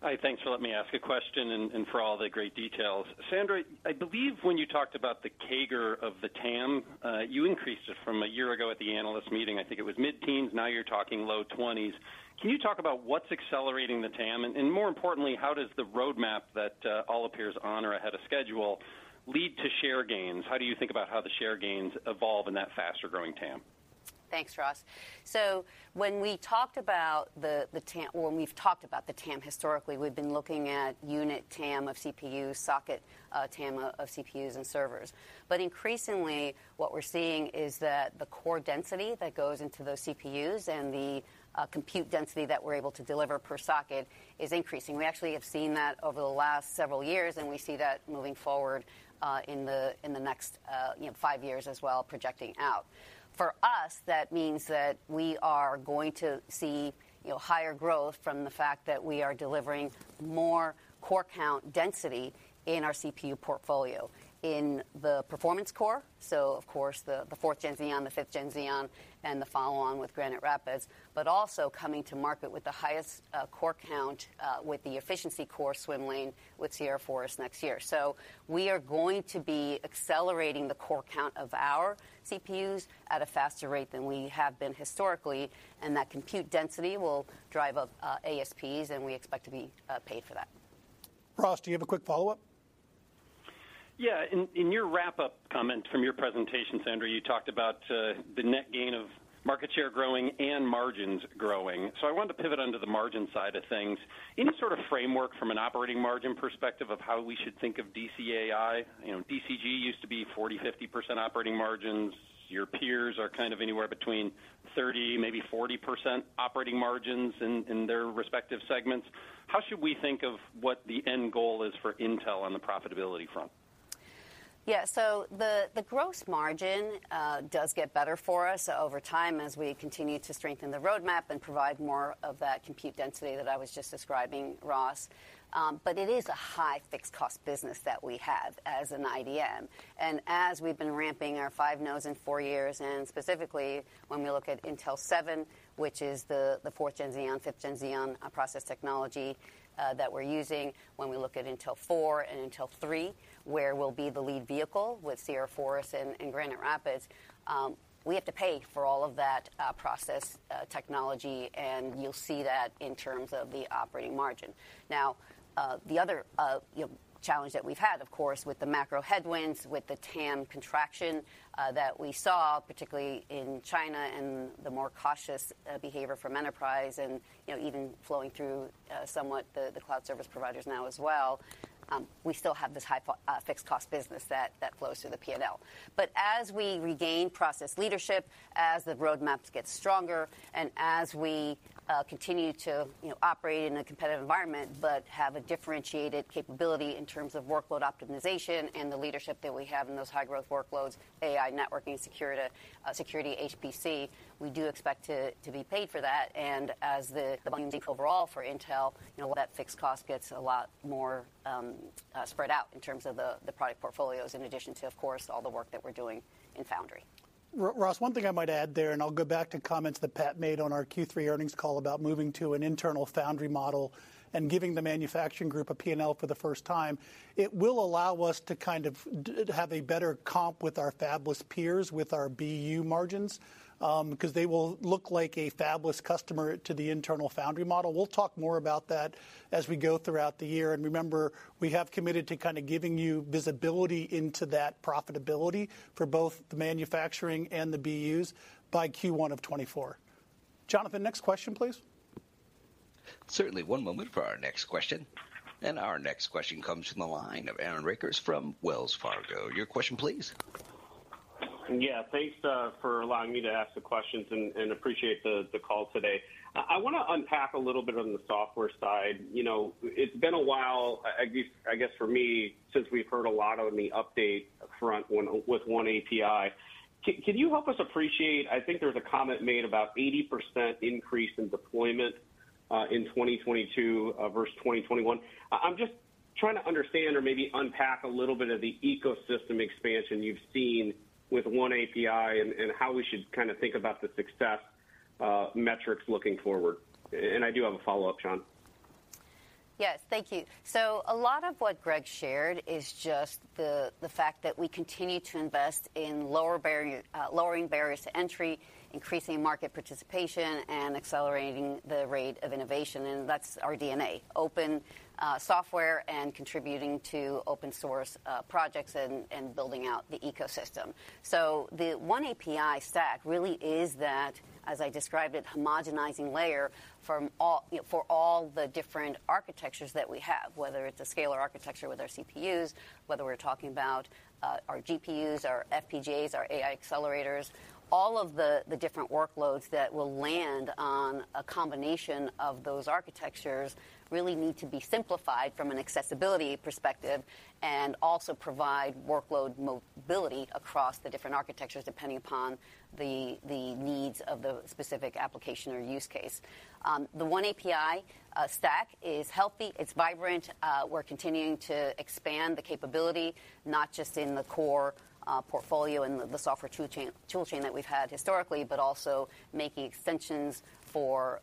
Hi. Thanks for letting me ask a question and for all the great details. Sandra Rivera, I believe when you talked about the CAGR of the TAM, yo u increased it from a year ago at the analyst meeting. I think it was mid-teens, now you're talking low twenties. Can you talk about what's accelerating the TAM? More importantly, how does the roadmap that all appears on or ahead of schedule lead to share gains? How do you think about how the share gains evolve in that faster growing TAM? Thanks, Ross. When we talked about the TAM historically, we've been looking at unit TAM of CPU, socket, TAM of CPUs and servers. Increasingly, what we're seeing is that the core density that goes into those CPUs and the compute density that we're able to deliver per socket is increasing. We actually have seen that over the last several years, and we see that moving forward, in the next, you know, 5 years as well, projecting out. For us, that means that we are going to see, you know, higher growth from the fact that we are delivering more core count density in our CPU portfolio. In the performance core, of course the 4th gen Xeon, the 5th gen Xeon, and the follow on with Granite Rapids, also coming to market with the highest core count with the efficiency core swim lane with Sierra Forest next year. We are going to be accelerating the core count of our CPUs at a faster rate than we have been historically, and that compute density will drive up ASPs, and we expect to be paid for that. Ross, do you have a quick follow-up? Yeah. In your wrap up comment from your presentation, Sandra, you talked about the net gain of market share growing and margins growing. I wanted to pivot onto the margin side of things. Any sort of framework from an operating margin perspective of how we should think of DCAI? You know, DCG used to be 40%, 50% operating margins. Your peers are kind of anywhere between 30%, maybe 40% operating margins in their respective segments. How should we think of what the end goal is for Intel on the profitability front? Yeah. The gross margin does get better for us over time as we continue to strengthen the roadmap and provide more of that compute density that I was just describing, Ross. It is a high fixed cost business that we have as an IDM. As we've been ramping our 5 nodes in 4 years, and specifically when we look at Intel 7, which is the 4th Gen Xeon, 5th Gen Xeon process technology that we're using, when we look at Intel 4 and Intel 3, where we'll be the lead vehicle with Sierra Forest and Granite Rapids, we have to pay for all of that process technology, and you'll see that in terms of the operating margin. Now, the other, you know, challenge that we've had, of course, with the macro headwinds, with the TAM contraction that we saw, particularly in China and the more cautious behavior from enterprise and, you know, even flowing through somewhat the cloud service providers now as well, we still have this high fixed cost business that flows through the P&L. As we regain process leadership, as the roadmaps get stronger, and as we continue to, you know, operate in a competitive environment, but have a differentiated capability in terms of workload optimization and the leadership that we have in those high growth workloads, AI, networking, security, HPC, we do expect to be paid for that. As the volumes improve overall for Intel, you know, that fixed cost gets a lot more spread out in terms of the product portfolios, in addition to, of course, all the work that we're doing in foundry. Ross, one thing I might add there, I'll go back to comments that Pat made on our Q3 earnings call about moving to an internal foundry model and giving the manufacturing group a P&L for the first time. It will allow us to kind of have a better comp with our fabless peers with our BU margins, 'cause they will look like a fabless customer to the internal foundry model. We'll talk more about that as we go throughout the year. Remember, we have committed to kind of giving you visibility into that profitability for both the manufacturing and the BUs by Q1 of 2024. Jonathan, next question please. Certainly, one moment for our next question. Our next question comes from the line of Aaron Rakers from Wells Fargo. Your question please. Yeah, thanks for allowing me to ask the questions and appreciate the call today. I wanna unpack a little bit on the software side. You know, it's been a while, I guess, I guess for me since we've heard a lot on the update front with oneAPI. Can you help us appreciate? I think there was a comment made about 80% increase in deployment in 2022 versus 2021. I'm just trying to understand or maybe unpack a little bit of the ecosystem expansion you've seen with oneAPI and how we should kind of think about the success metrics looking forward? I do have a follow-up, Sean. Yes. Thank you. A lot of what Greg shared is just the fact that we continue to invest in lowering barriers to entry, increasing market participation, and accelerating the rate of innovation, and that's our DNA. Open software and contributing to open source projects and building out the ecosystem. The oneAPI stack really is that, as I described it, homogenizing layer from all, you know, for all the different architectures that we have, whether it's a scalar architecture with our CPUs, whether we're talking about our GPUs, our FPGAs, our AI accelerators. All of the different workloads that will land on a combination of those architectures really need to be simplified from an accessibility perspective, and also provide workload mobility across the different architectures depending upon the needs of the specific application or use case. The oneAPI stack is healthy, it's vibrant. We're continuing to expand the capability, not just in the core portfolio and the software tool chain that we've had historically, but also making extensions for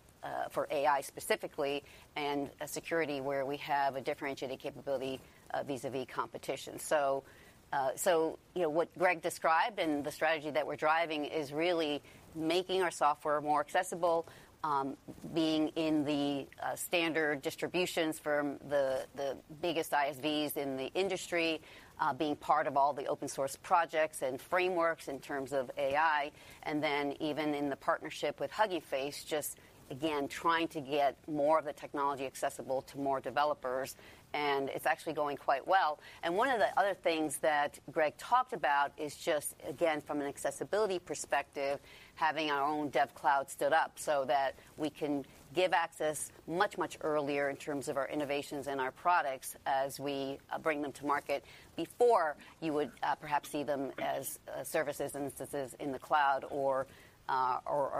AI specifically, and a security where we have a differentiating capability vis-a-vis competition. You know, what Greg described and the strategy that we're driving is really making our software more accessible, being in the standard distributions from the biggest ISVs in the industry, being part of all the open source projects and frameworks in terms of AI, and then even in the partnership with Hugging Face, just again trying to get more of the technology accessible to more developers, and it's actually going quite well. One of the other things that Greg talked about is just, again, from an accessibility perspective, having our own dev cloud stood up so that we can give access much, much earlier in terms of our innovations and our products as we bring them to market before you would perhaps see them as services instances in the cloud or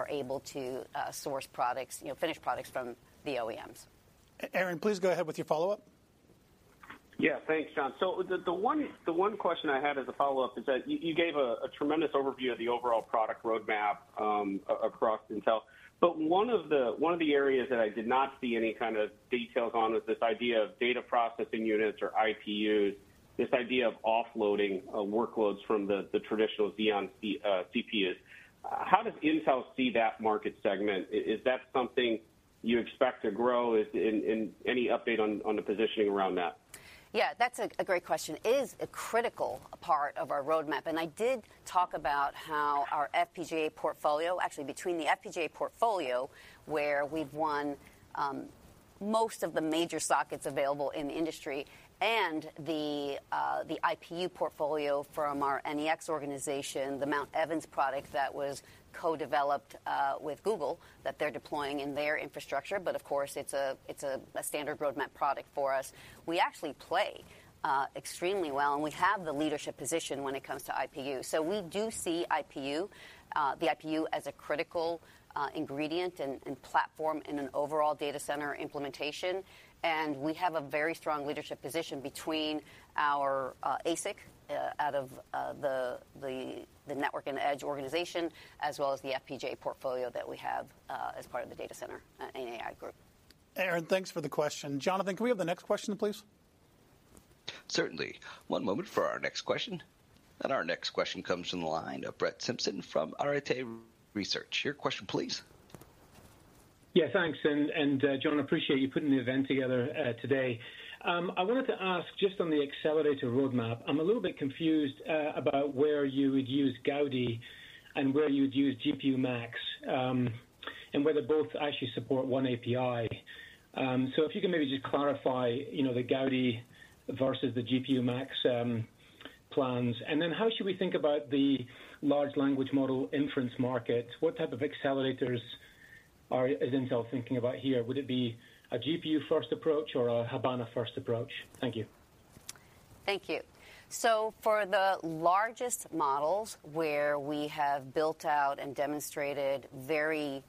able to source products, you know, finish products from the OEMs. Aaron, please go ahead with your follow-up. Yeah. Thanks, Sean. The one question I had as a follow-up is that you gave a tremendous overview of the overall product roadmap, across Intel. One of the areas that I did not see any kind of details on is this idea of data processing units or IPUs. This idea of offloading, workloads from the traditional Xeon CPUs. How does Intel see that market segment? Is that something you expect to grow? Any update on the positioning around that? Yeah, that's a great question. Is a critical part of our roadmap, and I did talk about how our FPGA portfolio Actually between the FPGA portfolio, where we've won most of the major sockets available in the industry and the IPU portfolio from our NEX organization, the Mount Evans product that was co-developed with Google that they're deploying in their infrastructure, but of course it's a standard roadmap product for us. We actually play extremely well, and we have the leadership position when it comes to IPU. We do see IPU, the IPU as a critical ingredient and platform in an overall data center implementation. We have a very strong leadership position between our ASIC out of the Network and Edge organization, as well as the FPGA portfolio that we have as part of the Data Center and AI Group. Aaron, thanks for the question. Jonathan, can we have the next question please? Certainly. One moment for our next question. Our next question comes from the line of Brett Simpson from Arete Research. Your question please. Yeah, thanks. John, appreciate you putting the event together today. I wanted to ask just on the accelerator roadmap, I'm a little bit confused about where you would use Gaudi and where you'd use GPU Max, and whether both actually support oneAPI. If you can maybe just clarify, you know, the Gaudi versus the GPU Max plans. How should we think about the large language model inference market? What type of accelerators is Intel thinking about here? Would it be a GPU first approach or a Habana first approach? Thank you. Thank you. For the largest models where we have built out and demonstrated very,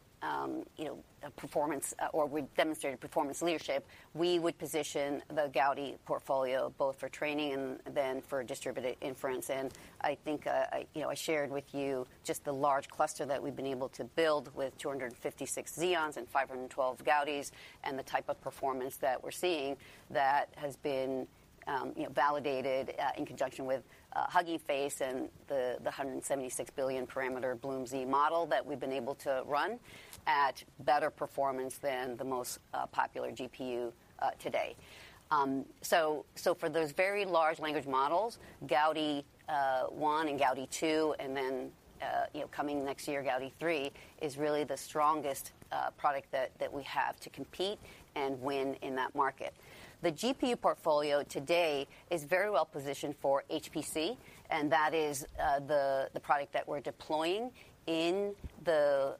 you know, performance, or we've demonstrated performance leadership, we would position the Gaudi portfolio both for training and then for distributed inference. I think, you know, I shared with you just the large cluster that we've been able to build with 256 Xeons and 512 Gaudis, and the type of performance that we're seeing that has been, you know, validated, in conjunction with Hugging Face and the 176 billion parameter BLOOM model that we've been able to run at better performance than the most popular GPU today. For those very large language models, Gaudi 1 and Gaudi 2, and then, you know, coming next year, Gaudi 3 is really the strongest product that we have to compete and win in that market. The GPU portfolio today is very well positioned for HPC, and that is the product that we're deploying in the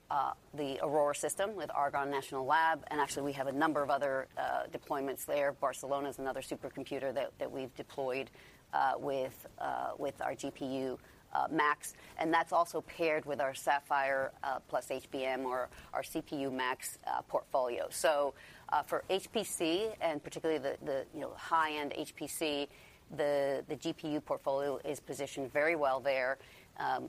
Aurora system with Argonne National Laboratory. Actually we have a number of other deployments there. Barcelona's another supercomputer that we've deployed with our GPU Max, and that's also paired with our Sapphire plus HBM or our CPU Max portfolio. For HPC and particularly, you know, high-end HPC, the GPU portfolio is positioned very well there.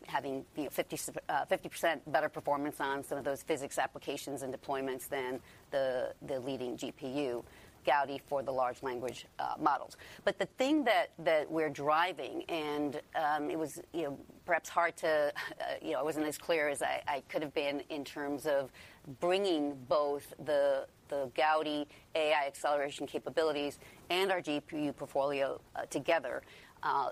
having, you know, 50% better performance on some of those physics applications and deployments than the leading GPU Gaudi for the large language models. The thing that we're driving and it was, you know, perhaps hard to, you know, I wasn't as clear as I could have been in terms of bringing both the Gaudi AI acceleration capabilities and our GPU portfolio together,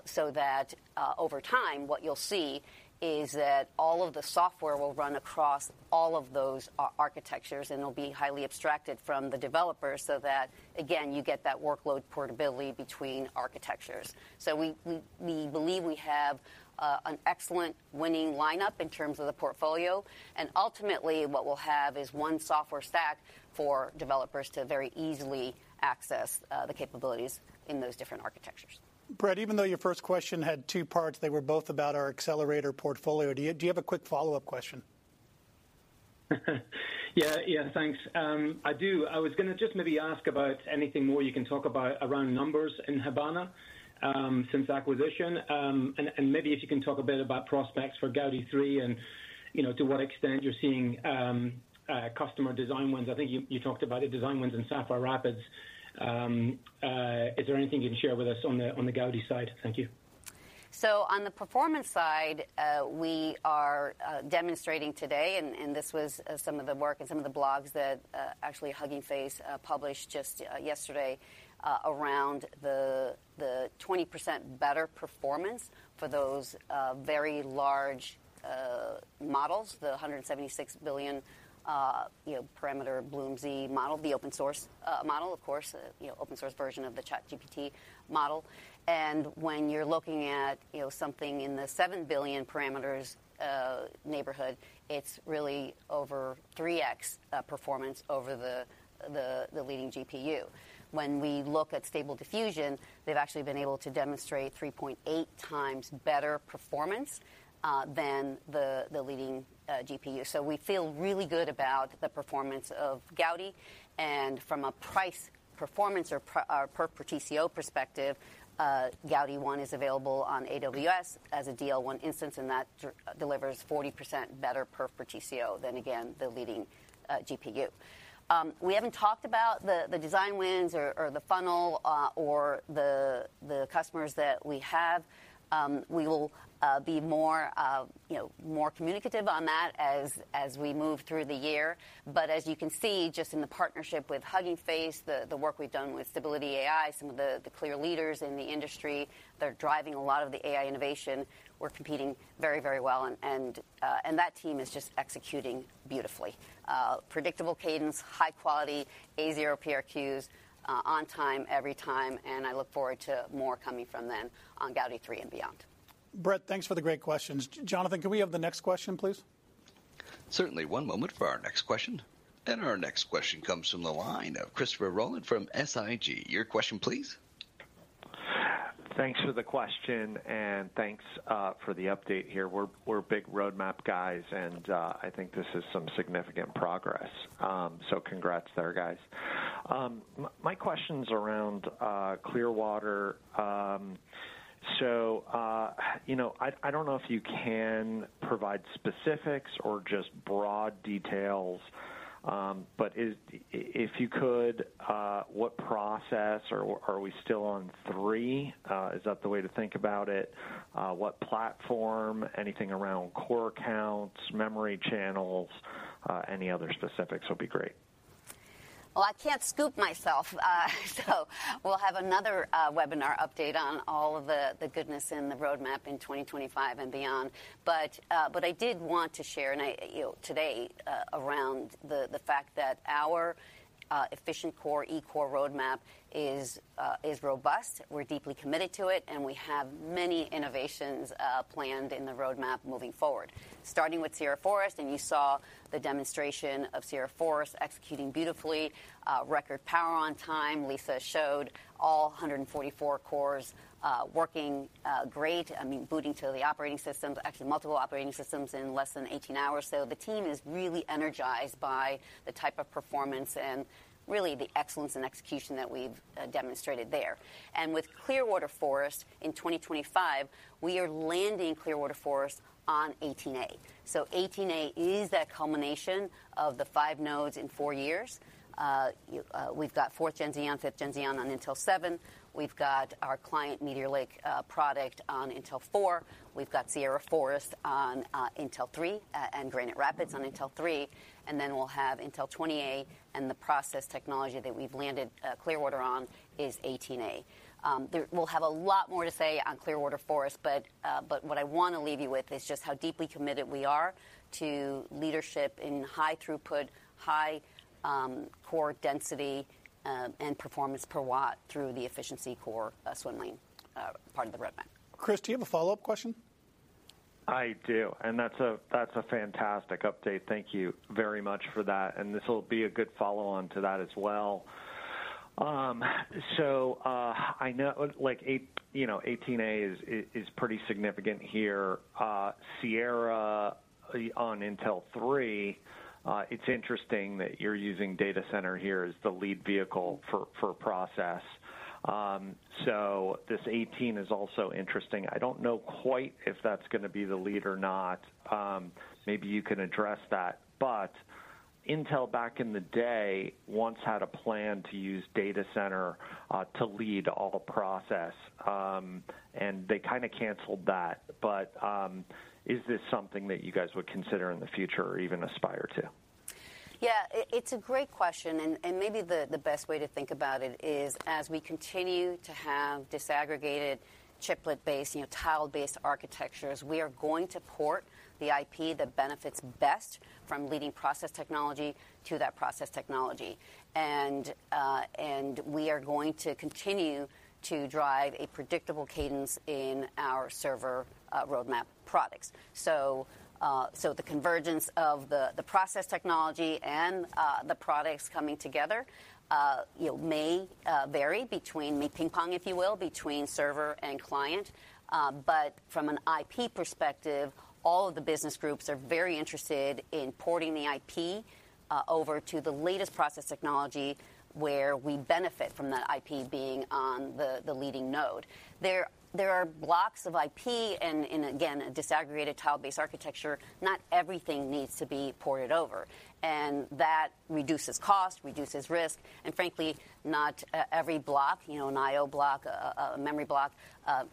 so that over time what you'll see is that all of the software will run across all of those architectures, and it'll be highly abstracted from the developer, so that again, you get that workload portability between architectures. We believe we have an excellent winning lineup in terms of the portfolio. Ultimately what we'll have is one software stack for developers to very easily access the capabilities in those different architectures. Brett, even though your first question had two parts, they were both about our accelerator portfolio. Do you have a quick follow-up question? Yeah, yeah. Thanks. I do. I was gonna just maybe ask about anything more you can talk about around numbers in Habana since acquisition. Maybe if you can talk a bit about prospects for Gaudi 3 and, you know, to what extent you're seeing customer design wins. I think you talked about the design wins in Sapphire Rapids. Is there anything you can share with us on the Gaudi side? Thank you. On the performance side, we are demonstrating today, and this was some of the work and some of the blogs that actually Hugging Face published just yesterday, around the 20% better performance for those very large models. The 176 billion, you know, parameter BloomZ model, the open source model, of course. You know, open source version of the ChatGPT model. When you're looking at, you know, something in the 7 billion parameters neighborhood, it's really over 3x performance over the leading GPU. When we look at Stable Diffusion, they've actually been able to demonstrate 3.8 times better performance than the leading GPU. We feel really good about the performance of Gaudi. From a price performance or per TCO perspective, Gaudi 1 is available on AWS as a DL1 instance, and that delivers 40% better per TCO than, again, the leading GPU. We haven't talked about the design wins or the funnel or the customers that we have. We will be more, you know, more communicative on that as we move through the year. As you can see, just in the partnership with Hugging Face, the work we've done with Stability AI, some of the clear leaders in the industry, they're driving a lot of the AI innovation. We're competing very well and that team is just executing beautifully. Predictable cadence, high quality, A zero PRQs, on time every time. I look forward to more coming from them on Gaudi 3 and beyond. Brett, thanks for the great questions. Jonathan, can we have the next question, please? Certainly. One moment for our next question. Our next question comes from the line of Christopher Rolland from SIG. Your question please. Thanks for the question and thanks for the update here. We're, we're big roadmap guys and I think this is some significant progress. Congrats there, guys. My question's around Clearwater. You know, I don't know if you can provide specifics or just broad details. If you could, what process or are we still on 3? Is that the way to think about it? What platform? Anything around core counts, memory channels, any other specifics would be great. I can't scoop myself. We'll have another webinar update on all of the goodness in the roadmap in 2025 and beyond. I did want to share and I, you know, today, around the fact that our efficient core E-core roadmap is robust. We're deeply committed to it, and we have many innovations planned in the roadmap moving forward. Starting with Sierra Forest, and you saw the demonstration of Sierra Forest executing beautifully, record power on time. Lisa showed all 144 cores working great. I mean, booting to the operating systems. Actually, multiple operating systems in less than 18 hours. The team is really energized by the type of performance and really the excellence in execution that we've demonstrated there. With Clearwater Forest in 2025, we are landing Clearwater Forest on 18A. 18A is that culmination of the 5 nodes in 4 years. We've got 4th gen Xeon, 5th gen Xeon on Intel 7. We've got our client Meteor Lake product on Intel 4. We've got Sierra Forest on Intel 3, and Granite Rapids on Intel 3. We'll have Intel 20A, and the process technology that we've landed Clearwater on is 18A. We'll have a lot more to say on Clearwater Forest, but what I wanna leave you with is just how deeply committed we are to leadership in high throughput, high core density, and performance per watt through the efficiency core swim lane part of the roadmap. Chris, do you have a follow-up question? I do. That's a, that's a fantastic update. Thank you very much for that, and this will be a good follow-on to that as well. I know, like, you know, 18A is pretty significant here. Sierra on Intel 3, it's interesting that you're using data center here as the lead vehicle for process. This 18A is also interesting. I don't know quite if that's gonna be the lead or not. Maybe you can address that. Intel, back in the day, once had a plan to use data center, to lead all process, and they kind of canceled that. Is this something that you guys would consider in the future or even aspire to? Yeah. It's a great question, and maybe the best way to think about it is as we continue to have disaggregated chiplet-based, you know, tile-based architectures, we are going to port the IP that benefits best from leading process technology to that process technology. We are going to continue to drive a predictable cadence in our server roadmap products. The convergence of the process technology and the products coming together, you know, may vary, may ping pong, if you will, between server and client. But from an IP perspective, all of the business groups are very interested in porting the IP over to the latest process technology where we benefit from the IP being on the leading node. There are blocks of IP and again, a disaggregated tile-based architecture. Not everything needs to be ported over, that reduces cost, reduces risk, frankly, not every block, you know, an IO block, a memory block,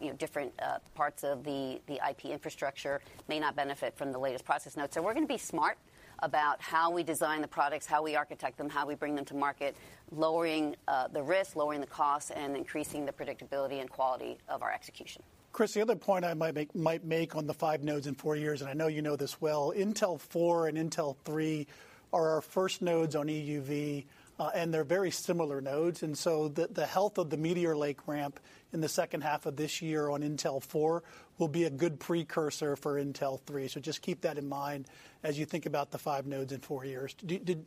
you know, different parts of the IP infrastructure may not benefit from the latest process node. We're gonna be smart about how we design the products, how we architect them, how we bring them to market, lowering the risk, lowering the cost, and increasing the predictability and quality of our execution. Chris, the other point I might make on the five nodes in four years, I know you know this well, Intel 4 and Intel 3 are our first nodes on EUV, and they're very similar nodes. The health of the Meteor Lake ramp in the second half of this year on Intel 4 will be a good precursor for Intel 3. Just keep that in mind as you think about the five nodes in four years. Did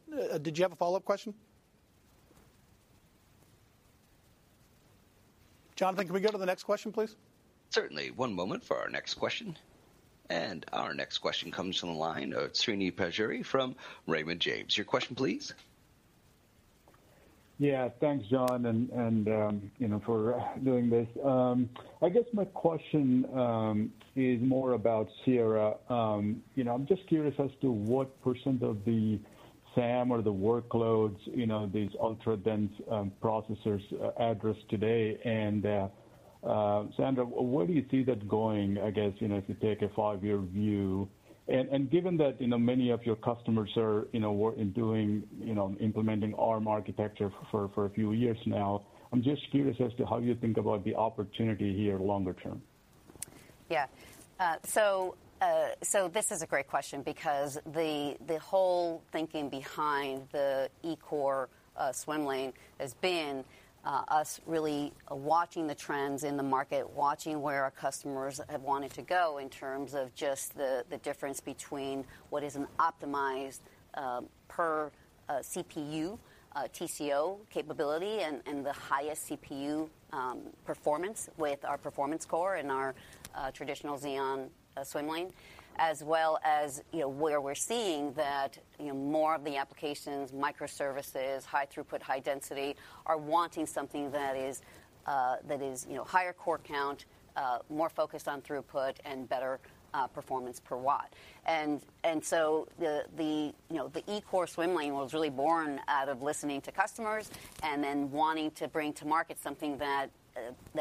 you have a follow-up question? Jonathan, can we go to the next question, please? Certainly. One moment for our next question. Our next question comes from the line of Srini Pajjuri from Raymond James. Your question please. Yeah. Thanks, John. You know, for doing this. I guess my question is more about Sierra Forest. You know, I'm just curious as to what % of the SAM or the workloads, you know, these ultra-dense processors address today. Sandra, where do you see that going, I guess, you know, if you take a five-year view? Given that, you know, many of your customers are, you know, in doing, you know, implementing Arm architecture for a few years now, I'm just curious as to how you think about the opportunity here longer term. Yeah. This is a great question because the whole thinking behind the E-core swim lane has been us really watching the trends in the market, watching where our customers have wanted to go in terms of just the difference between what is an optimized per CPU TCO capability and the highest CPU performance with our Performance core and our traditional Xeon swim lane. As well as, you know, where we're seeing that, you know, more of the applications, microservices, high throughput, high density, are wanting something that is that is, you know, higher core count, more focused on throughput, and better performance per watt. The, you know, the E-core swim lane was really born out of listening to customers and then wanting to bring to market something that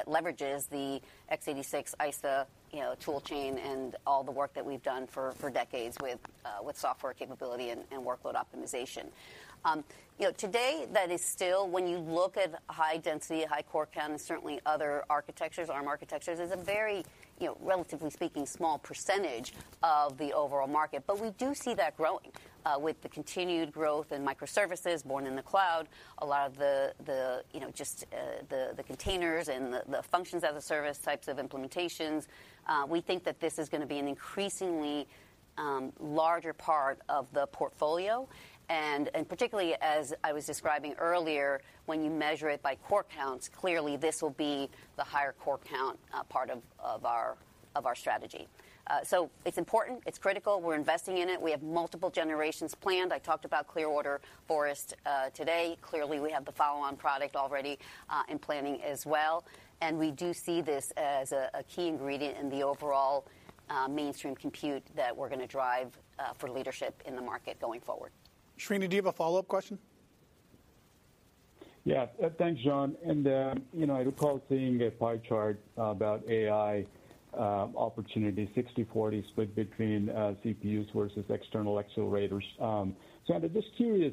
leverages the x86 ISA, you know, tool chain and all the work that we've done for decades with software capability and workload optimization. You know, today that is still when you look at high density, high core count, and certainly other architectures, Arm architectures, is a very, you know, relatively speaking, small percentage of the overall market. We do see that growing with the continued growth in microservices born in the cloud. A lot of the, you know, just the containers and the functions as a service types of implementations. We think that this is gonna be an increasingly larger part of the portfolio. Particularly as I was describing earlier, when you measure it by core counts, clearly this will be the higher core count part of our strategy. It's important. It's critical. We're investing in it. We have multiple generations planned. I talked about Clearwater Forest today. Clearly, we have the follow-on product already in planning as well. We do see this as a key ingredient in the overall mainstream compute that we're gonna drive for leadership in the market going forward. Srini, do you have a follow-up question? Yeah. Thanks, John. You know, I recall seeing a pie chart about AI opportunity, 60/40 split between CPUs versus external accelerators. Sandra, just curious,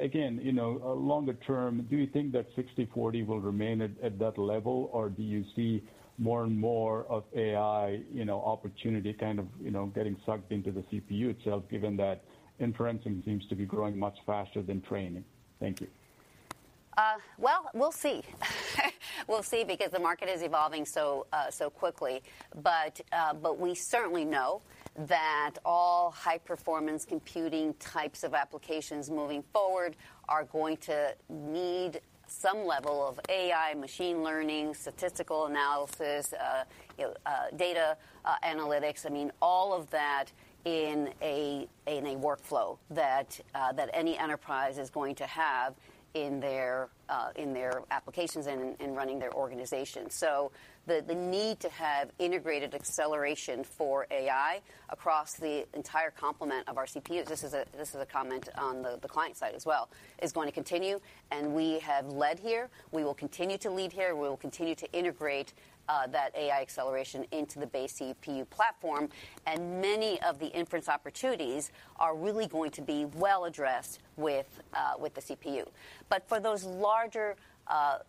again, you know, longer term, do you think that 60/40 will remain at that level? Or do you see more and more of AI, you know, opportunity kind of, you know, getting sucked into the CPU itself, given that inferencing seems to be growing much faster than training? Thank you. Well, we'll see. We'll see, because the market is evolving so quickly. We certainly know that all high-performance computing types of applications moving forward are going to need some level of AI, machine learning, statistical analysis, you know, data analytics. I mean, all of that in a workflow that any enterprise is going to have in their applications and in running their organization. The need to have integrated acceleration for AI across the entire complement of our CPU, this is a comment on the client side as well, is going to continue, and we have led here. We will continue to lead here. We will continue to integrate that AI acceleration into the base CPU platform. Many of the inference opportunities are really going to be well addressed with the CPU. For those larger,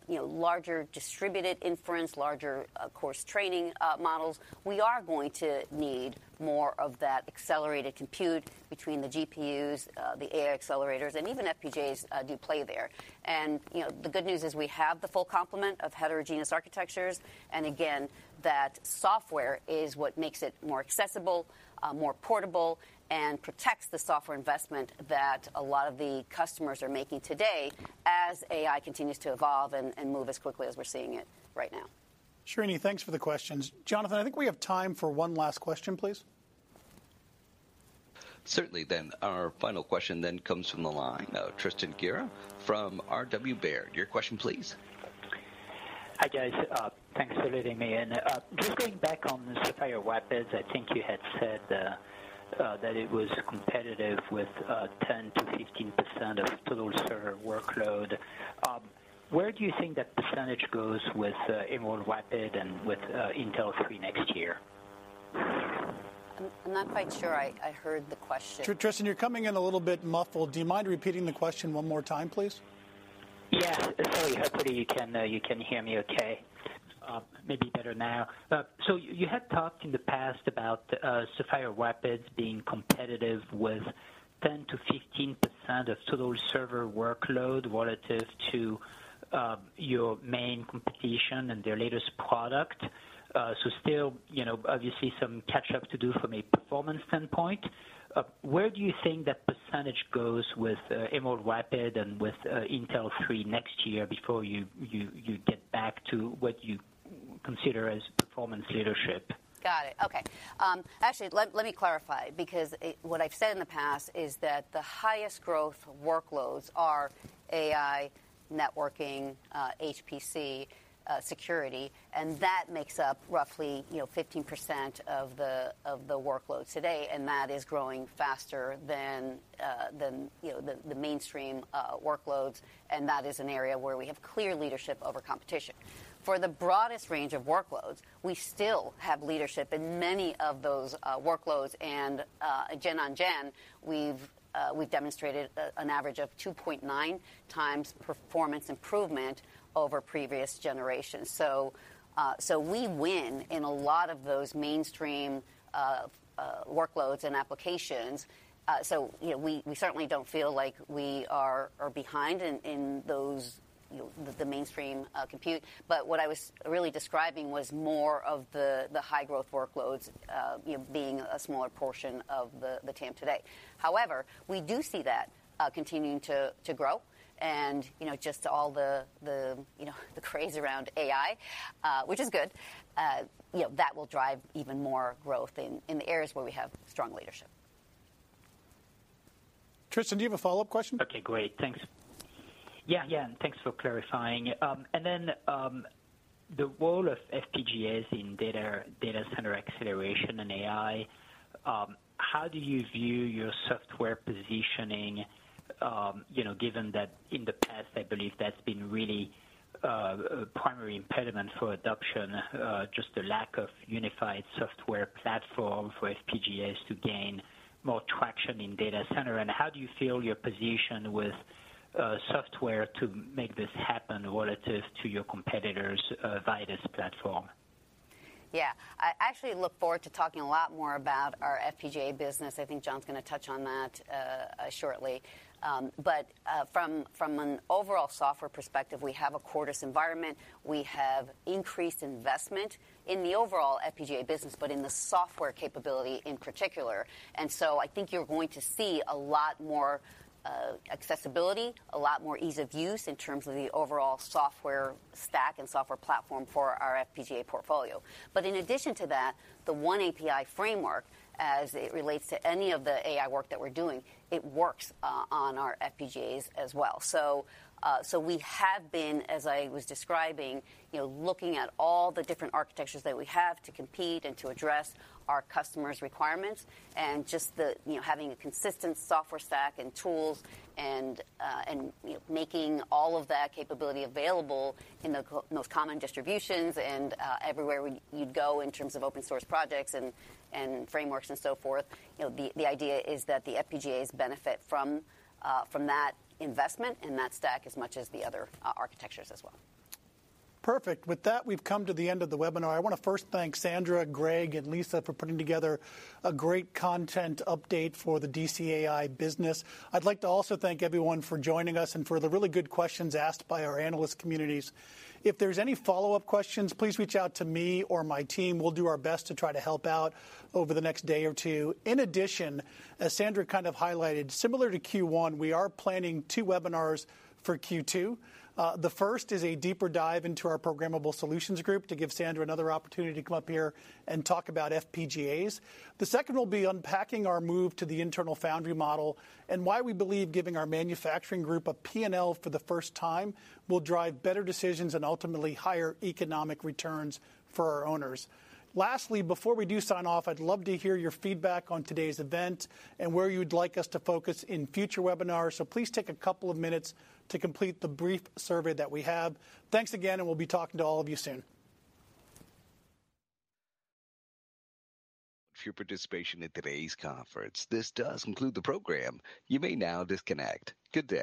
you know, larger distributed inference, larger, of course, training models, we are going to need more of that accelerated compute between the GPUs, the AI accelerators, and even FPGAs do play there. You know, the good news is we have the full complement of heterogeneous architectures. Again, that software is what makes it more accessible, more portable, and protects the software investment that a lot of the customers are making today as AI continues to evolve and move as quickly as we're seeing it right now. Srini, thanks for the questions. Jonathan, I think we have time for one last question, please. Certainly then. Our final question then comes from the line. Tristan Gerra from RW Baird. Your question please. Hi, guys. Thanks for letting me in. Just going back on Sapphire Rapids, I think you had said that it was competitive with 10%-15% of total server workload. Where do you think that percentage goes with Emerald Rapids and with Intel 3 next year? I'm not quite sure I heard the question. Tristan, you're coming in a little bit muffled. Do you mind repeating the question one more time, please? Yeah. Sorry. Hopefully you can hear me okay. Maybe better now. You had talked in the past about Sapphire Rapids being competitive with 10%-15% of total server workload relative to your main competition and their latest product. Still, you know, obviously some catch up to do from a performance standpoint. Where do you think that percentage goes with Emerald Rapids and with Intel 3 next year before you get back to what you consider as performance leadership? Got it. Okay. Actually, let me clarify because what I've said in the past is that the highest growth workloads are AI, networking, HPC, security. That makes up roughly, you know, 15% of the workload today, and that is growing faster than, you know, the mainstream workloads. That is an area where we have clear leadership over competition. For the broadest range of workloads, we still have leadership in many of those workloads and gen on gen, we've demonstrated an average of 2.9 times performance improvement over previous generations. We win in a lot of those mainstream workloads and applications. So, you know, we certainly don't feel like we are behind in those, you know, the mainstream compute. What I was really describing was more of the high growth workloads, you know, being a smaller portion of the TAM today. However, we do see that, continuing to grow and, you know, just all the, you know, the craze around AI, which is good. You know, that will drive even more growth in the areas where we have strong leadership. Tristan, do you have a follow-up question? Okay, great. Thanks. Yeah, yeah, thanks for clarifying. Then, the role of FPGAs in data center acceleration and AI, how do you view your software positioning, you know, given that in the past I believe that's been really a primary impediment for adoption, just the lack of unified software platform for FPGAs to gain more traction in data center. How do you feel your position with software to make this happen relative to your competitors', Vitis platform? Yeah. I actually look forward to talking a lot more about our FPGA business. I think John's gonna touch on that shortly. From an overall software perspective, we have a Quartus environment. We have increased investment in the overall FPGA business, but in the software capability in particular. I think you're going to see a lot more accessibility, a lot more ease of use in terms of the overall software stack and software platform for our FPGA portfolio. In addition to that, the oneAPI framework, as it relates to any of the AI work that we're doing, it works on our FPGAs as well. We have been, as I was describing, you know, looking at all the different architectures that we have to compete and to address our customers' requirements and just the, you know, having a consistent software stack and tools and, you know, making all of that capability available in the co-most common distributions and, everywhere you'd go in terms of open source projects and frameworks and so forth. You know, the idea is that the FPGAs benefit from that investment and that stack as much as the other, architectures as well. Perfect. With that, we've come to the end of the webinar. I wanna first thank Sandra, Greg, and Lisa for putting together a great content update for the DCAI business. I'd like to also thank everyone for joining us and for the really good questions asked by our analyst communities. If there's any follow-up questions, please reach out to me or my team. We'll do our best to try to help out over the next day or two. In addition, as Sandra kind of highlighted, similar to Q1, we are planning two webinars for Q2. The first is a deeper dive into our Programmable Solutions Group to give Sandra another opportunity to come up here and talk about FPGAs. The second will be unpacking our move to the internal foundry model and why we believe giving our manufacturing group a P&L for the first time will drive better decisions and ultimately higher economic returns for our owners. Lastly, before we do sign off, I'd love to hear your feedback on today's event and where you'd like us to focus in future webinars. Please take a couple of minutes to complete the brief survey that we have. Thanks again, and we'll be talking to all of you soon. Thank you for your participation in today's conference. This does conclude the program. You may now disconnect. Good day.